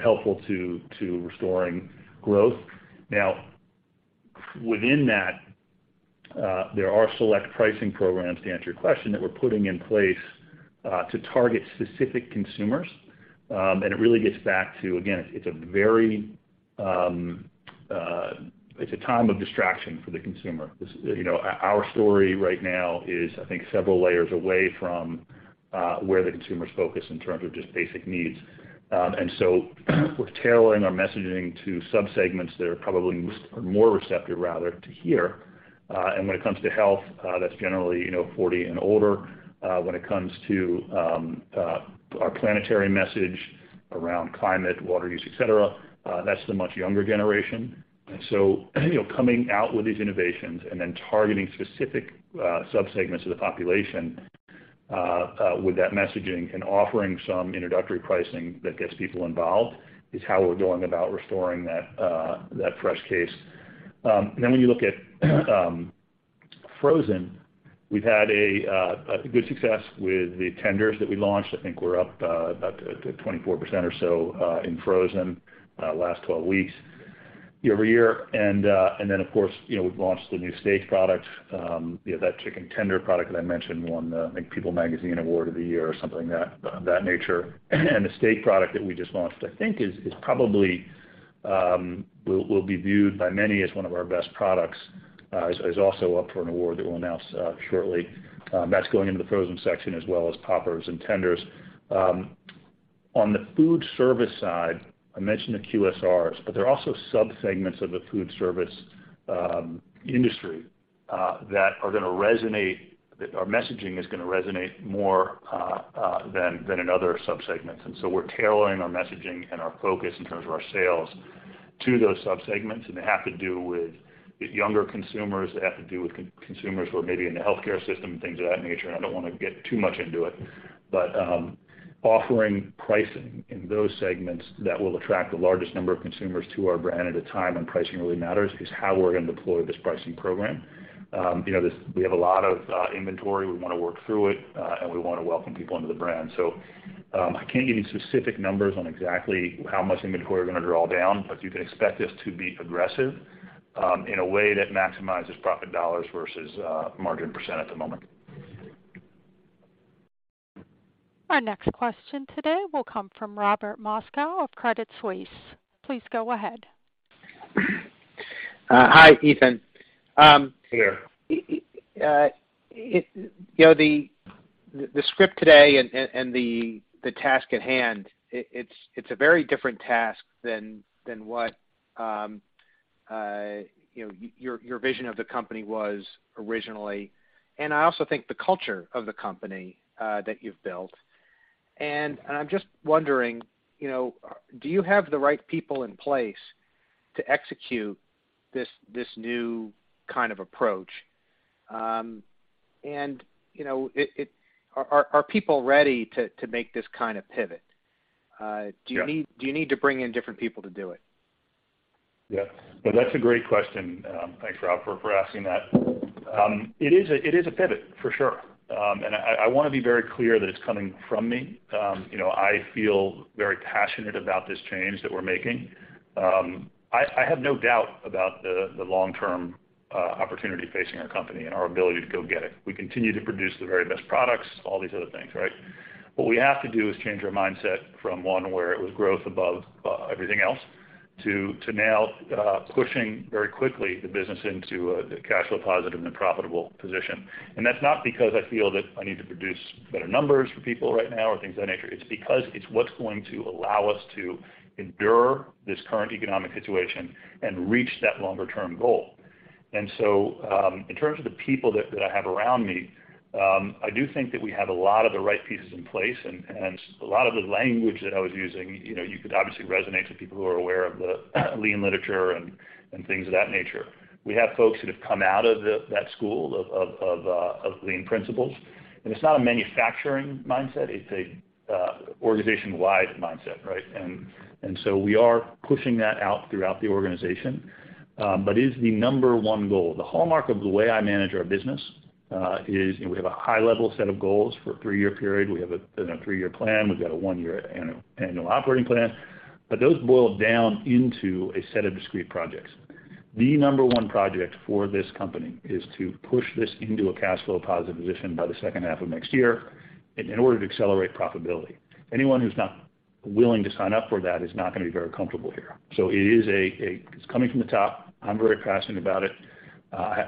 helpful to restoring growth. Now within that, there are select pricing programs, to answer your question, that we're putting in place to target specific consumers. It really gets back to, again, it's a time of distraction for the consumer. You know, our story right now is, I think, several layers away from where the consumer's focused in terms of just basic needs. We're tailoring our messaging to subsegments that are more receptive, rather, to hear. When it comes to health, that's generally, you know, 40 and older. When it comes to our planetary message around climate, water use, et cetera, that's the much younger generation. You know, coming out with these innovations and then targeting specific subsegments of the population with that messaging and offering some introductory pricing that gets people involved is how we're going about restoring that fresh case. When you look at frozen, we've had a good success with the tenders that we launched. I think we're up about 24% or so in frozen last 12 weeks year-over-year. Of course, you know, we've launched the new steak product, you know, that chicken tender product that I mentioned won the, I think, People Magazine Award of the Year or something of that nature. The steak product that we just launched, I think is probably will be viewed by many as one of our best products, is also up for an award that we'll announce shortly. That's going into the frozen section as well as popcorn and tenders. On the food service side, I mentioned the QSRs, but there are also subsegments of the food service industry that our messaging is gonna resonate more than in other subsegments. We're tailoring our messaging and our focus in terms of our sales to those subsegments. They have to do with the younger consumers, they have to do with consumers who are maybe in the healthcare system, things of that nature, and I don't wanna get too much into it. Offering pricing in those segments that will attract the largest number of consumers to our brand at a time when pricing really matters is how we're gonna deploy this pricing program. You know, we have a lot of inventory. We wanna work through it, and we wanna welcome people into the brand. I can't give you specific numbers on exactly how much inventory we're gonna draw down, but you can expect this to be aggressive, in a way that maximizes profit dollars versus margin percent at the moment. Our next question today will come from Robert Moskow of Credit Suisse. Please go ahead. Hi, Ethan. Hey, Rob. You know, the script today and the task at hand, it's a very different task than what you know, your vision of the company was originally, and I also think the culture of the company that you've built. I'm just wondering, you know, do you have the right people in place to execute this new kind of approach? You know, are people ready to make this kind of pivot? Yeah. Do you need to bring in different people to do it? Yeah. No, that's a great question. Thanks, Rob, for asking that. It is a pivot, for sure. I wanna be very clear that it's coming from me. You know, I feel very passionate about this change that we're making. I have no doubt about the long-term opportunity facing our company and our ability to go get it. We continue to produce the very best products, all these other things, right? What we have to do is change our mindset from one where it was growth above everything else to now pushing very quickly the business into a the cash flow positive and profitable position. That's not because I feel that I need to produce better numbers for people right now or things of that nature. It's because it's what's going to allow us to endure this current economic situation and reach that longer term goal. In terms of the people that I have around me, I do think that we have a lot of the right pieces in place and a lot of the language that I was using, you know, you could obviously resonate to people who are aware of the lean literature and things of that nature. We have folks that have come out of that school of lean principles, and it's not a manufacturing mindset, it's an organization-wide mindset, right? We are pushing that out throughout the organization. But it is the number one goal. The hallmark of the way I manage our business is we have a high level set of goals for a three-year period. We have a, you know, three-year plan. We've got a one-year annual operating plan. Those boil down into a set of discrete projects. The number one project for this company is to push this into a cash flow positive position by the second half of next year in order to accelerate profitability. Anyone who's not willing to sign up for that is not gonna be very comfortable here. It's coming from the top. I'm very passionate about it.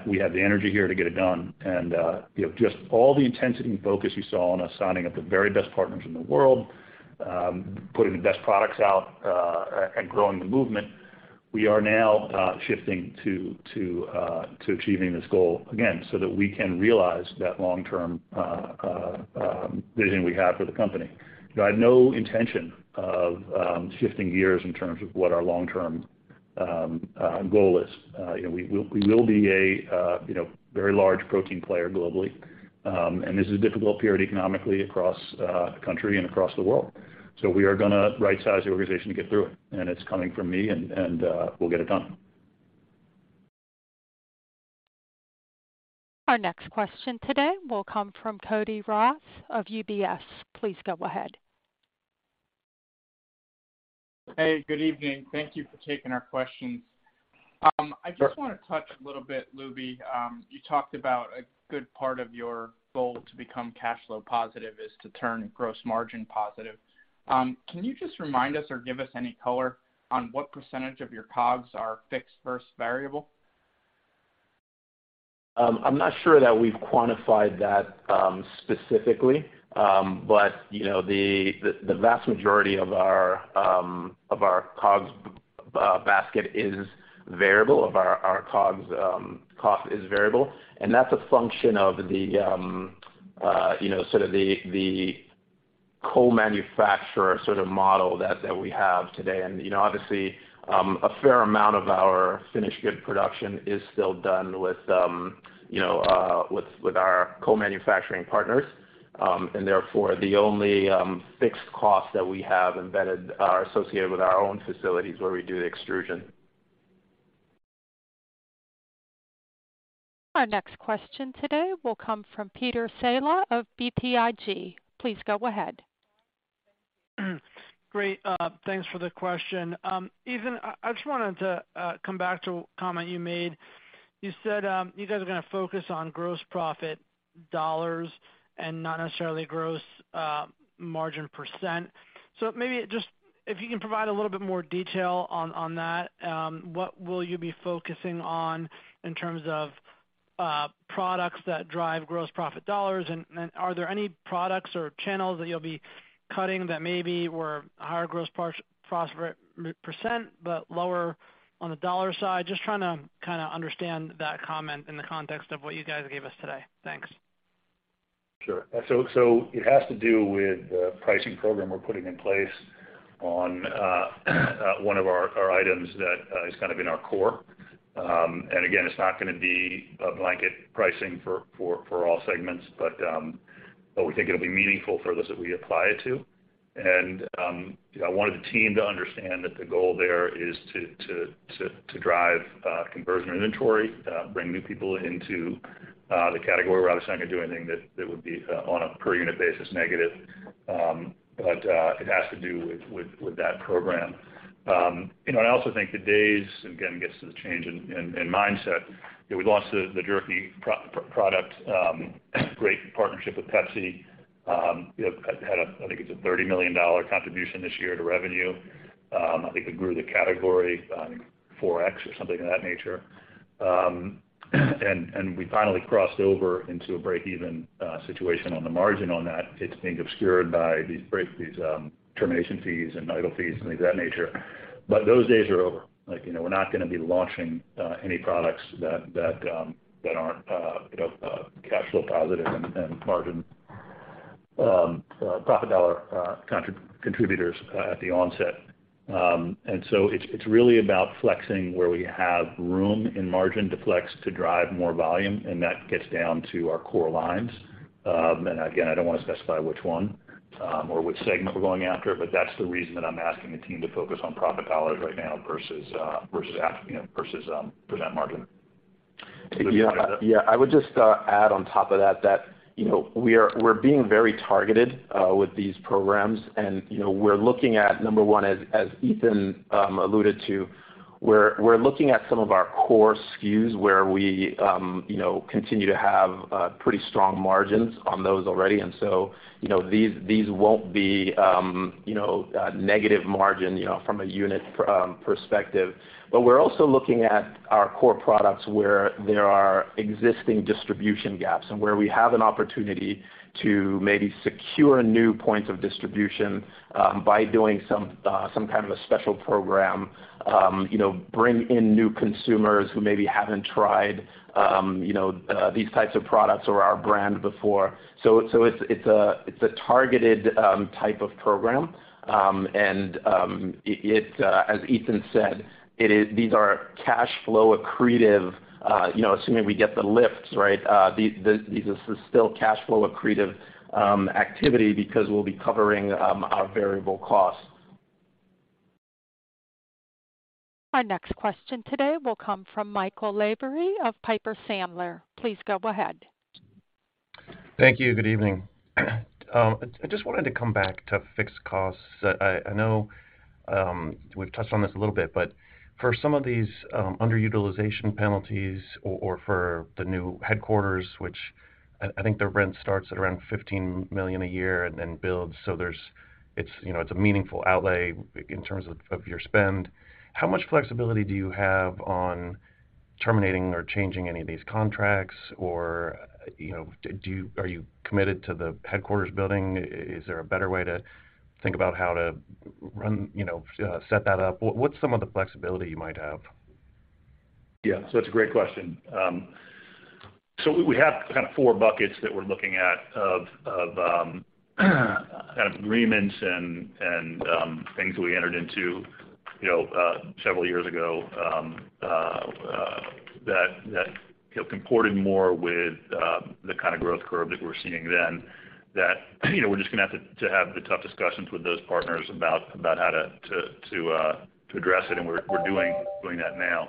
We have the energy here to get it done and, you know, just all the intensity and focus you saw on us signing up the very best partners in the world, putting the best products out, and growing the movement. We are now shifting to achieving this goal again so that we can realize that long-term vision we have for the company. You know, I have no intention of shifting gears in terms of what our long-term goal is. You know, we will be a, you know, very large protein player globally. This is a difficult period economically across the country and across the world. We are gonna right-size the organization to get through it, and it's coming from me and, we'll get it done. Our next question today will come from Cody Ross of UBS. Please go ahead. Hey, good evening. Thank you for taking our questions. Sure. I just wanna touch a little bit, Lubi, you talked about a good part of your goal to become cash flow positive is to turn gross margin positive. Can you just remind us or give us any color on what percentage of your COGS are fixed versus variable? I'm not sure that we've quantified that, specifically. You know, the vast majority of our COGS basket is variable, and our COGS cost is variable, and that's a function of the you know sort of the co-manufacturer sort of model that we have today. You know, obviously, a fair amount of our finished good production is still done with you know with our co-manufacturing partners. Therefore, the only fixed cost that we have embedded are associated with our own facilities where we do the extrusion. Our next question today will come from Peter Saleh of BTIG. Please go ahead. Great. Thanks for the question. Ethan, I just wanted to come back to a comment you made. You said, you guys are gonna focus on gross profit dollars and not necessarily gross margin percent. Maybe just if you can provide a little bit more detail on that, what will you be focusing on in terms of products that drive gross profit dollars? And are there any products or channels that you'll be cutting that maybe were higher gross profit percent, but lower on the dollar side? Just trying to kinda understand that comment in the context of what you guys gave us today. Thanks. Sure. It has to do with the pricing program we're putting in place on one of our items that is kind of in our core. Again, it's not gonna be a blanket pricing for all segments. We think it'll be meaningful for those that we apply it to. I wanted the team to understand that the goal there is to drive conversion inventory, bring new people into the category. We're obviously not gonna do anything that would be on a per unit basis negative. It has to do with that program. You know, I also think the days again gets to the change in mindset. You know, we lost the jerky product, great partnership with Pepsi. You know, I think it's a $30 million contribution this year to revenue. I think we grew the category 4x or something of that nature. We finally crossed over into a break-even situation on the margin on that. It's being obscured by these termination fees and idle fees and things of that nature. Those days are over. Like, you know, we're not gonna be launching any products that aren't, you know, cash flow positive and margin profit dollar contributors at the onset. It's really about flexing where we have room and margin to flex to drive more volume, and that gets down to our core lines. Again, I don't wanna specify which one, or which segment we're going after, but that's the reason that I'm asking the team to focus on profit dollars right now versus, you know, versus percent margin. Yeah. Yeah. I would just add on top of that you know, we're being very targeted with these programs and, you know, we're looking at number one, as Ethan alluded to, we're looking at some of our core SKUs where we you know continue to have pretty strong margins on those already. You know, these won't be you know negative margin, you know, from a unit perspective. We're also looking at our core products where there are existing distribution gaps and where we have an opportunity to maybe secure new points of distribution, you know, by doing some kind of a special program, you know, bring in new consumers who maybe haven't tried you know these types of products or our brand before. It's a targeted type of program. As Ethan said, these are cash flow accretive, you know, assuming we get the lifts, right, these are still cash flow accretive activity because we'll be covering our variable costs. Our next question today will come from Michael Lavery of Piper Sandler. Please go ahead. Thank you. Good evening. I just wanted to come back to fixed costs. I know we've touched on this a little bit, but for some of these, underutilization penalties or for the new headquarters, which I think the rent starts at around $15 million a year and then builds. There's, you know, it's a meaningful outlay in terms of your spend. How much flexibility do you have on terminating or changing any of these contracts? Or, you know, are you committed to the headquarters building? Is there a better way to think about how to run, you know, set that up? What's some of the flexibility you might have? It's a great question. We have kind of four buckets that we're looking at of kind of agreements and things that we entered into, you know, several years ago that you know comported more with the kind of growth curve that we're seeing than that you know we're just gonna have to have the tough discussions with those partners about how to address it, and we're doing that now.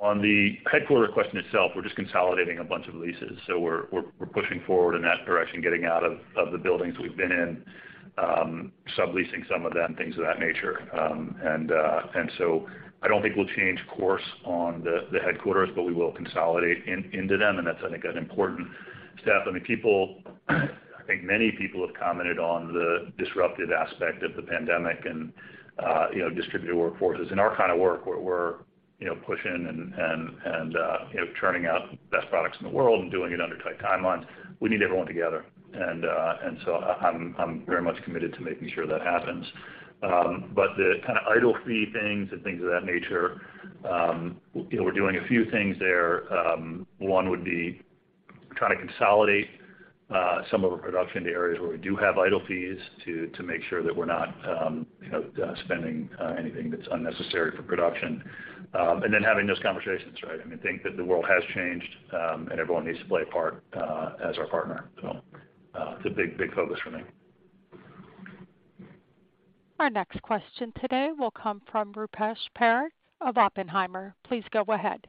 On the headquarters question itself, we're just consolidating a bunch of leases, so we're pushing forward in that direction, getting out of the buildings we've been in, subleasing some of them, things of that nature. I don't think we'll change course on the headquarters, but we will consolidate into them, and that's I think an important step. I mean, people, I think many people have commented on the disruptive aspect of the pandemic and you know distributed workforces. In our kind of work, we're you know pushing and you know churning out best products in the world and doing it under tight timelines. We need everyone together. I'm very much committed to making sure that happens. But the kinda idle fee things and things of that nature you know we're doing a few things there. One would be trying to consolidate some of our production to areas where we do have idle capacity to make sure that we're not, you know, spending anything that's unnecessary for production. Then having those conversations, right? I mean, think that the world has changed, and everyone needs to play a part as our partner. It's a big focus for me. Our next question today will come from Rupesh Parikh of Oppenheimer. Please go ahead.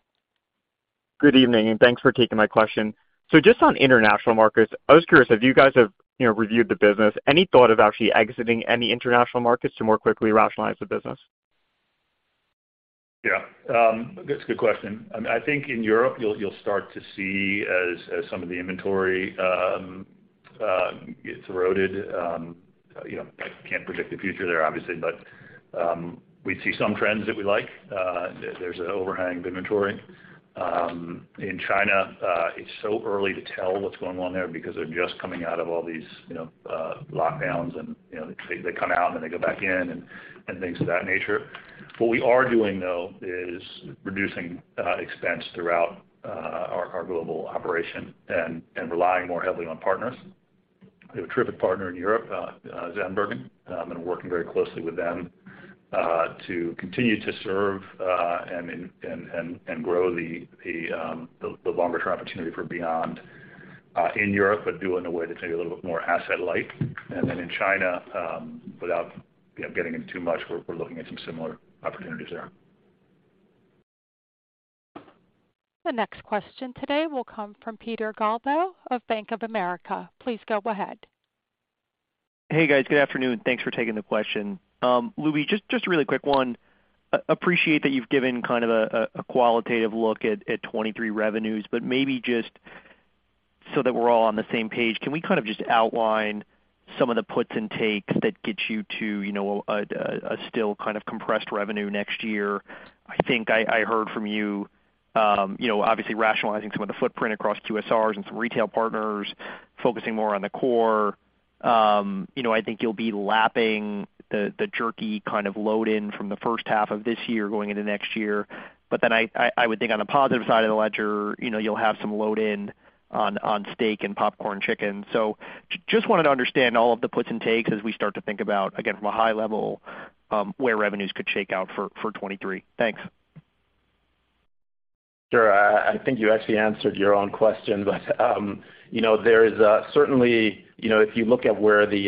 Good evening, and thanks for taking my question. Just on international markets, I was curious, as you guys have, you know, reviewed the business, any thought of actually exiting any international markets to more quickly rationalize the business? Yeah, that's a good question. I mean, I think in Europe you'll start to see as some of the inventory gets eroded, you know, I can't predict the future there obviously, but we see some trends that we like. There's an overhang of inventory. In China, it's so early to tell what's going on there because they're just coming out of all these, you know, lockdowns and, you know, they come out, and they go back in, and things of that nature. What we are doing, though, is reducing expense throughout our global operation and relying more heavily on partners. We have a terrific partner in Europe, Zandbergen, and working very closely with them to continue to serve and grow the longer-term opportunity for Beyond in Europe, but do in a way that's maybe a little bit more asset light. Then in China, without you know getting into too much, we're looking at some similar opportunities there. The next question today will come from Peter Galbo of Bank of America. Please go ahead. Hey, guys. Good afternoon. Thanks for taking the question. Lubi, just a really quick one. Appreciate that you've given kind of a qualitative look at 2023 revenues, but maybe just so that we're all on the same page, can we kind of just outline some of the puts and takes that gets you to, you know, a still kind of compressed revenue next year? I think I heard from you know, obviously rationalizing some of the footprint across QSRs and some retail partners focusing more on the core. You know, I think you'll be lapping the jerky kind of load in from the first half of this year going into next year. Then I would think on the positive side of the ledger, you know, you'll have some load in on steak and popcorn chicken. Just wanted to understand all of the puts and takes as we start to think about, again, from a high level, where revenues could shake out for 2023. Thanks. Sure. I think you actually answered your own question, but you know, there is certainly, you know, if you look at where the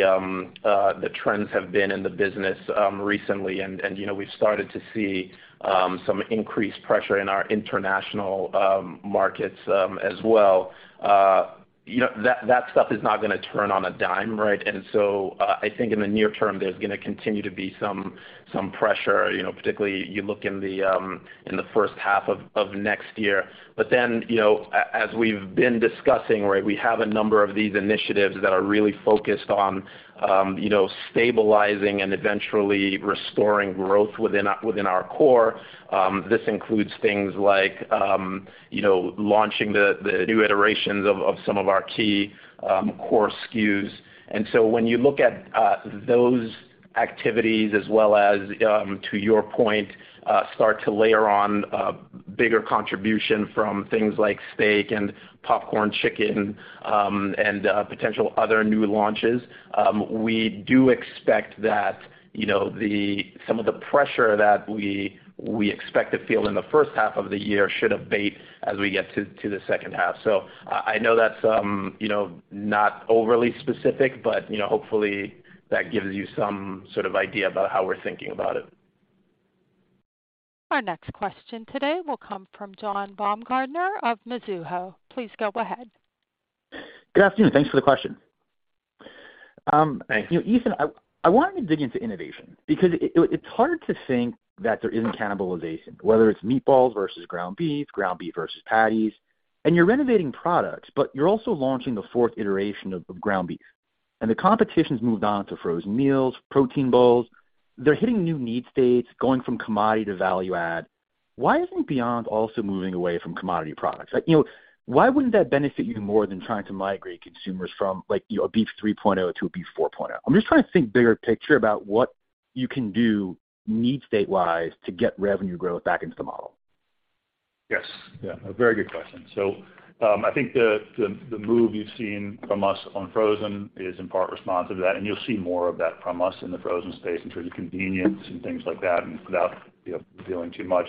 trends have been in the business, recently, you know, we've started to see some increased pressure in our international markets, as well. You know, that stuff is not gonna turn on a dime, right? I think in the near term, there's gonna continue to be some pressure, you know, particularly you look in the first half of next year. You know, as we've been discussing, right, we have a number of these initiatives that are really focused on, you know, stabilizing and eventually restoring growth within our core. This includes things like, you know, launching the new iterations of some of our key core SKUs. When you look at those activities as well as, to your point, start to layer on bigger contribution from things like steak and popcorn chicken and potential other new launches, we do expect that, you know, some of the pressure that we expect to feel in the first half of the year should abate as we get to the second half. I know that's, you know, not overly specific, but, you know, hopefully that gives you some sort of idea about how we're thinking about it. Our next question today will come from John Baumgartner of Mizuho. Please go ahead. Good afternoon. Thanks for the question. Thanks. You know, Ethan, I wanted to dig into innovation because it's hard to think that there isn't cannibalization, whether it's meatballs versus ground beef, ground beef versus patties. You're renovating products, but you're also launching the fourth iteration of ground beef. The competition's moved on to frozen meals, protein bowls. They're hitting new need states, going from commodity to value add. Why isn't Beyond also moving away from commodity products? Like, you know, why wouldn't that benefit you more than trying to migrate consumers from, like, you know, a Beef 3.0 to a Beef 4.0? I'm just trying to think bigger picture about what you can do need state-wise to get revenue growth back into the model. Yes. Yeah, a very good question. I think the move you've seen from us on frozen is in part responsive to that, and you'll see more of that from us in the frozen space in terms of convenience and things like that. Without you know, revealing too much,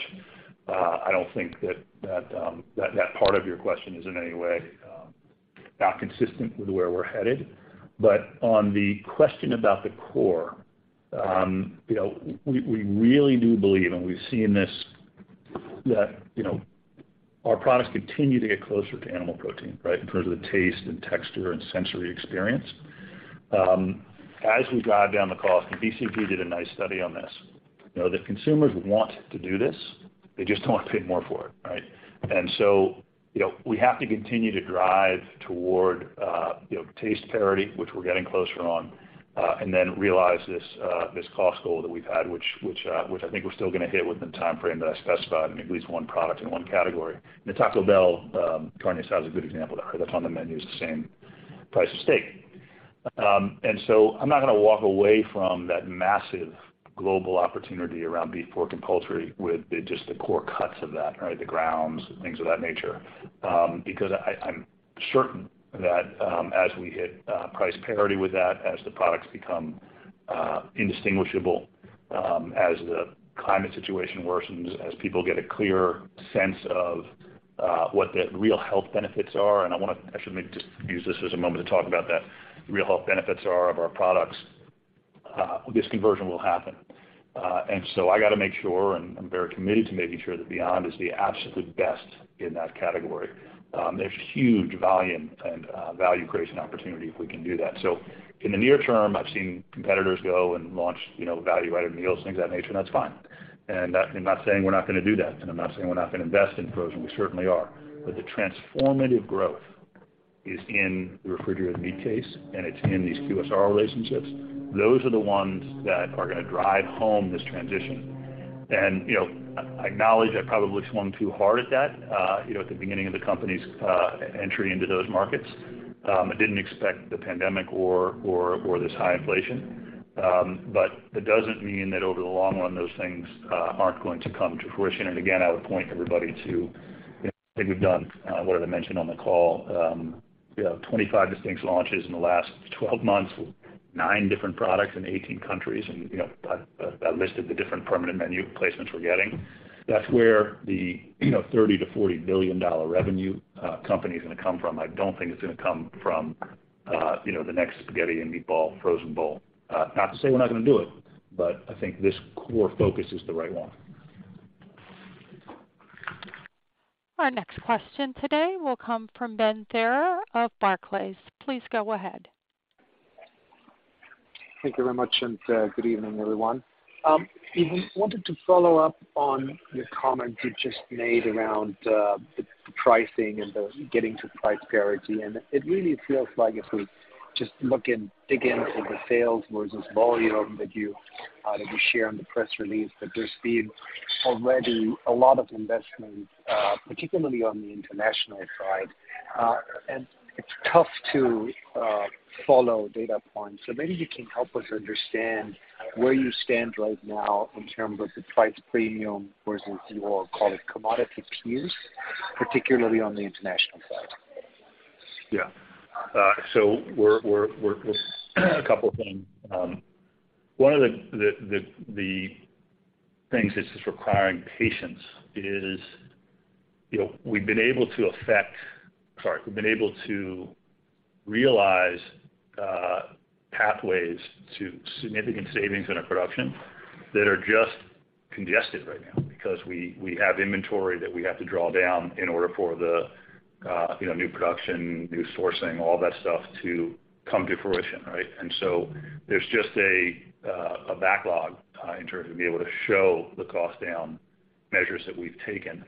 I don't think that part of your question is in any way not consistent with where we're headed. On the question about the core, you know, we really do believe, and we've seen this, that, you know, our products continue to get closer to animal protein, right, in terms of the taste and texture and sensory experience. As we drive down the cost, and BCG did a nice study on this, you know, the consumers want to do this. They just don't want to pay more for it, right? You know, we have to continue to drive toward, you know, taste parity, which we're getting closer on, and then realize this cost goal that we've had, which I think we're still gonna hit within the timeframe that I specified in at least one product in one category. The Taco Bell carnitas is a good example of that. That's on the menu. It's the same price as steak. I'm not gonna walk away from that massive global opportunity around beef, pork, and poultry with just the core cuts of that, right? The grounds and things of that nature. I'm certain that as we hit price parity with that, as the products become indistinguishable, as the climate situation worsens, as people get a clearer sense of what the real health benefits are, and I wanna actually just use this as a moment to talk about that, real health benefits are of our products, this conversion will happen. I got to make sure, and I'm very committed to making sure that Beyond is the absolutely best in that category. There's huge volume and value creation opportunity if we can do that. In the near term, I've seen competitors go and launch, you know, value-added meals, things of that nature, and that's fine. I'm not saying we're not gonna do that, and I'm not saying we're not gonna invest in frozen, we certainly are. The transformative growth is in the refrigerated meat case, and it's in these QSR relationships. Those are the ones that are gonna drive home this transition. You know, I acknowledge I probably swung too hard at that, you know, at the beginning of the company's entry into those markets, and didn't expect the pandemic or this high inflation. That doesn't mean that over the long run, those things aren't going to come to fruition. Again, I would point everybody to the thing we've done, whatever I mentioned on the call. We have 25 distinct launches in the last 12 months, nine different products in 18 countries. You know, I listed the different permanent menu placements we're getting. That's where the $30 billion-$40 billion revenue company is gonna come from. I don't think it's gonna come from, you know, the next spaghetti and meatball frozen bowl. Not to say we're not gonna do it, but I think this core focus is the right one. Our next question today will come from Benjamin Theurer of Barclays. Please go ahead. Thank you very much, and good evening, everyone. I wanted to follow up on the comments you just made around the pricing and the getting to price parity. It really feels like if we just look and dig into the sales versus volume that you share on the press release, that there's been already a lot of investment, particularly on the international side. It's tough to follow data points. Maybe you can help us understand where you stand right now in terms of the price premium versus your, call it, commodity peers, particularly on the international side. Yeah. So we're just a couple of things. One of the things that's just requiring patience is, you know, we've been able to realize pathways to significant savings in our production that are just congested right now because we have inventory that we have to draw down in order for the, you know, new production, new sourcing, all that stuff to come to fruition, right? There's just a backlog in terms of being able to show the cost down measures that we've taken.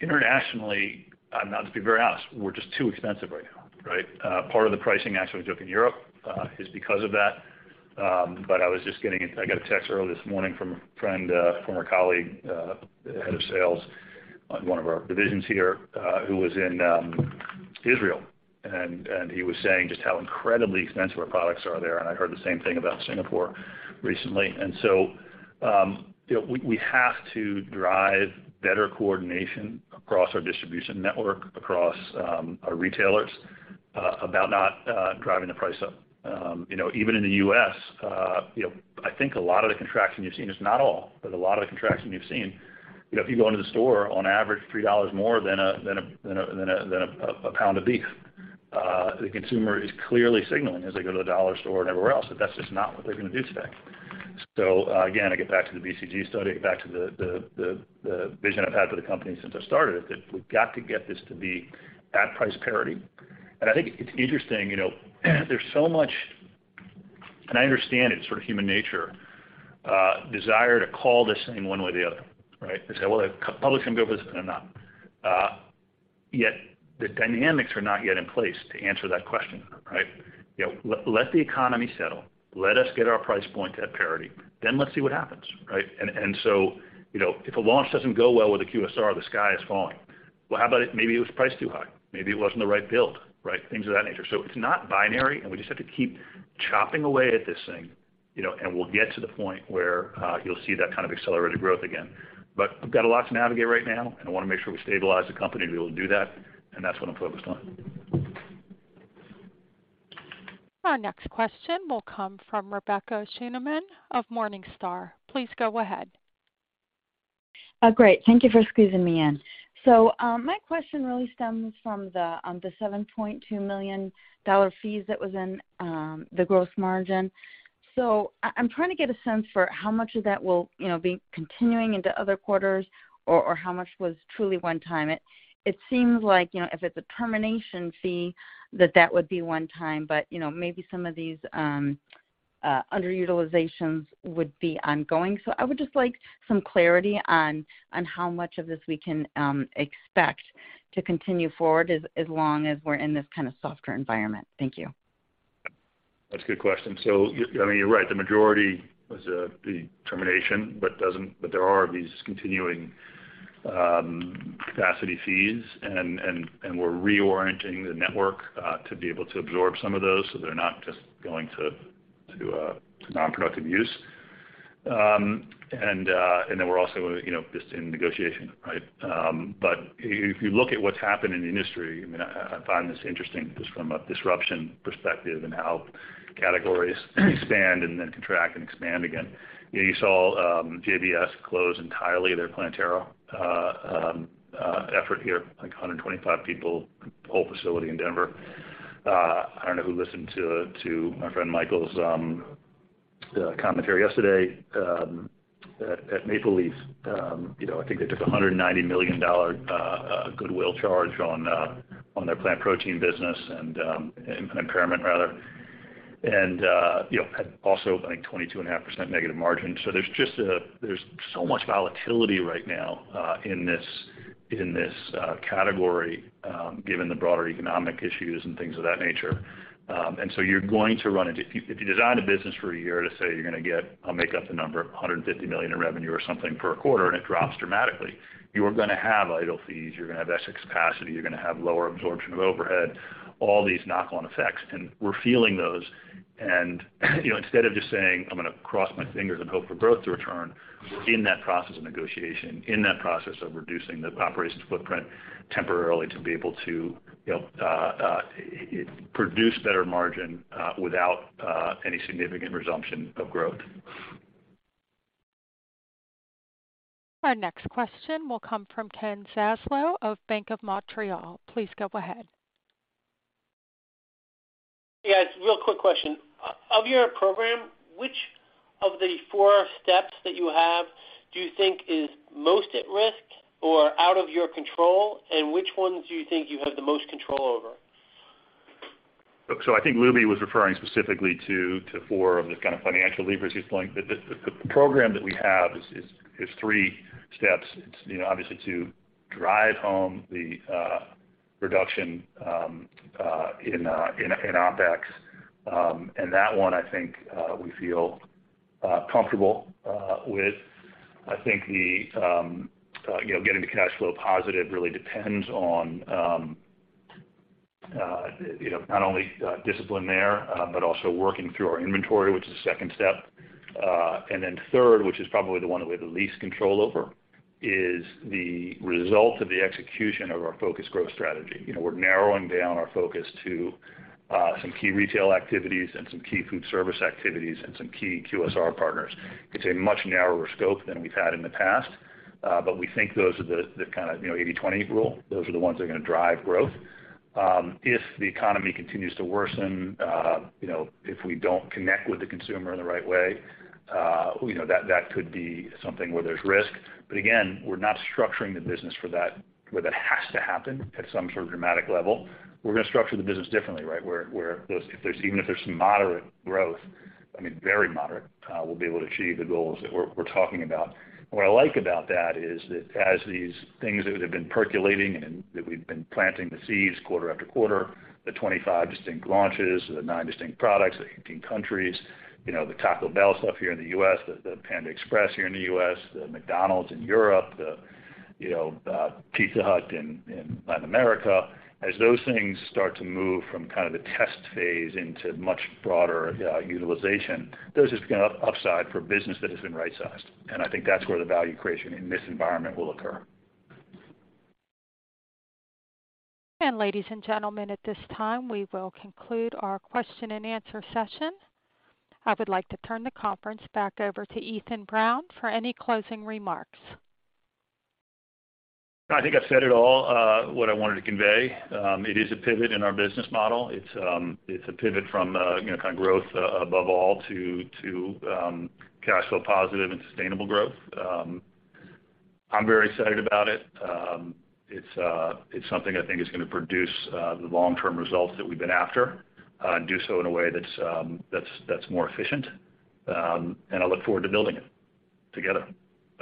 Internationally, now to be very honest, we're just too expensive right now, right? Part of the pricing action we took in Europe is because of that. I got a text early this morning from a friend, former colleague, head of sales on one of our divisions here, who was in Israel, and he was saying just how incredibly expensive our products are there. I heard the same thing about Singapore recently. You know, we have to drive better coordination across our distribution network, across our retailers, about not driving the price up. You know, even in the U.S., you know, I think a lot of the contraction you've seen, it's not all, but a lot of the contraction you've seen, you know, if you go into the store, on average $3 more than a pound of beef. The consumer is clearly signaling as they go to the dollar store and everywhere else, that that's just not what they're gonna do today. Again, I get back to the BCG study, I get back to the vision I've had for the company since I started it, that we've got to get this to be at price parity. I think it's interesting, you know, there's so much, and I understand it's sort of human nature, desire to call this thing one way or the other, right? They say, "Well, the public's gonna go for this," and they're not. Yet the dynamics are not yet in place to answer that question, right? You know, let the economy settle, let us get our price point at parity, then let's see what happens, right? You know, if a launch doesn't go well with a QSR, the sky is falling. Well, how about if maybe it was priced too high? Maybe it wasn't the right build, right? Things of that nature. It's not binary, and we just have to keep chopping away at this thing, you know, and we'll get to the point where you'll see that kind of accelerated growth again. We've got a lot to navigate right now, and I wanna make sure we stabilize the company to be able to do that, and that's what I'm focused on. Our next question will come from Rebecca Scheuneman of Morningstar. Please go ahead. Great. Thank you for squeezing me in. My question really stems from the $7.2 million fees that was in the growth margin. I'm trying to get a sense for how much of that will, you know, be continuing into other quarters or how much was truly one time. It seems like, you know, if it's a termination fee, that would be one time, but, you know, maybe some of these underutilizations would be ongoing. I would just like some clarity on how much of this we can expect to continue forward as long as we're in this kind of softer environment. Thank you. That's a good question. You're right. The majority was the termination, but there are these continuing capacity fees and we're reorienting the network to be able to absorb some of those so they're not just going to non-productive use. And then we're also, you know, just in negotiation, right? But if you look at what's happened in the industry, I mean, I find this interesting just from a disruption perspective and how categories expand and then contract and expand again. You saw JBS close entirely their Planterra effort here, like 125 people, whole facility in Denver. I don't know who listened to my friend Michael's commentary yesterday at Maple Leaf. You know, I think they took a $190 million goodwill charge on their plant protein business and impairment rather. You know, had also, I think, 22.5% negative margin. There's just a, there's so much volatility right now in this category, given the broader economic issues and things of that nature. You're going to run into if you design a business for a year to say you're gonna get, I'll make up the number, $150 million in revenue or something per quarter and it drops dramatically, you are gonna have idle fees, you're gonna have excess capacity, you're gonna have lower absorption of overhead, all these knock-on effects, and we're feeling those. You know, instead of just saying, "I'm gonna cross my fingers and hope for growth to return," we're in that process of negotiation, in that process of reducing the operations footprint temporarily to be able to, you know, produce better margin, without any significant resumption of growth. Our next question will come from Ken Zaslow of Bank of Montreal. Please go ahead. Yeah, it's a real quick question. Of your program, which of the four steps that you have do you think is most at risk or out of your control, and which ones do you think you have the most control over? I think Lubi was referring specifically to four of the kind of financial levers he's pulling. The program that we have is three steps. It's you know obviously to drive home the reduction in OpEx. That one, I think, we feel comfortable with. I think you know getting the cash flow positive really depends on you know not only discipline there but also working through our inventory, which is the second step. Third, which is probably the one that we have the least control over, is the result of the execution of our focused growth strategy. You know, we're narrowing down our focus to some key retail activities and some key food service activities and some key QSR partners. It's a much narrower scope than we've had in the past, but we think those are the kinda, you know, 80/20 rule. Those are the ones that are gonna drive growth. If the economy continues to worsen, you know, if we don't connect with the consumer in the right way, you know, that could be something where there's risk. Again, we're not structuring the business for that, where that has to happen at some sort of dramatic level. We're gonna structure the business differently, right? Even if there's some moderate growth, I mean, very moderate, we'll be able to achieve the goals that we're talking about. What I like about that is that as these things that have been percolating and that we've been planting the seeds quarter after quarter, the 25 distinct launches, the nine distinct products, the 18 countries, you know, the Taco Bell stuff here in the U.S., the Panda Express here in the U.S., the McDonald's in Europe, you know, Pizza Hut in Latin America. As those things start to move from kind of the test phase into much broader utilization, those are kinda upside for business that has been right-sized. I think that's where the value creation in this environment will occur. Ladies and gentlemen, at this time, we will conclude our question and answer session. I would like to turn the conference back over to Ethan Brown for any closing remarks. I think I've said it all, what I wanted to convey. It is a pivot in our business model. It's a pivot from, you know, kind of growth above all to cash flow positive and sustainable growth. I'm very excited about it. It's something I think is gonna produce the long-term results that we've been after and do so in a way that's more efficient. I look forward to building it together.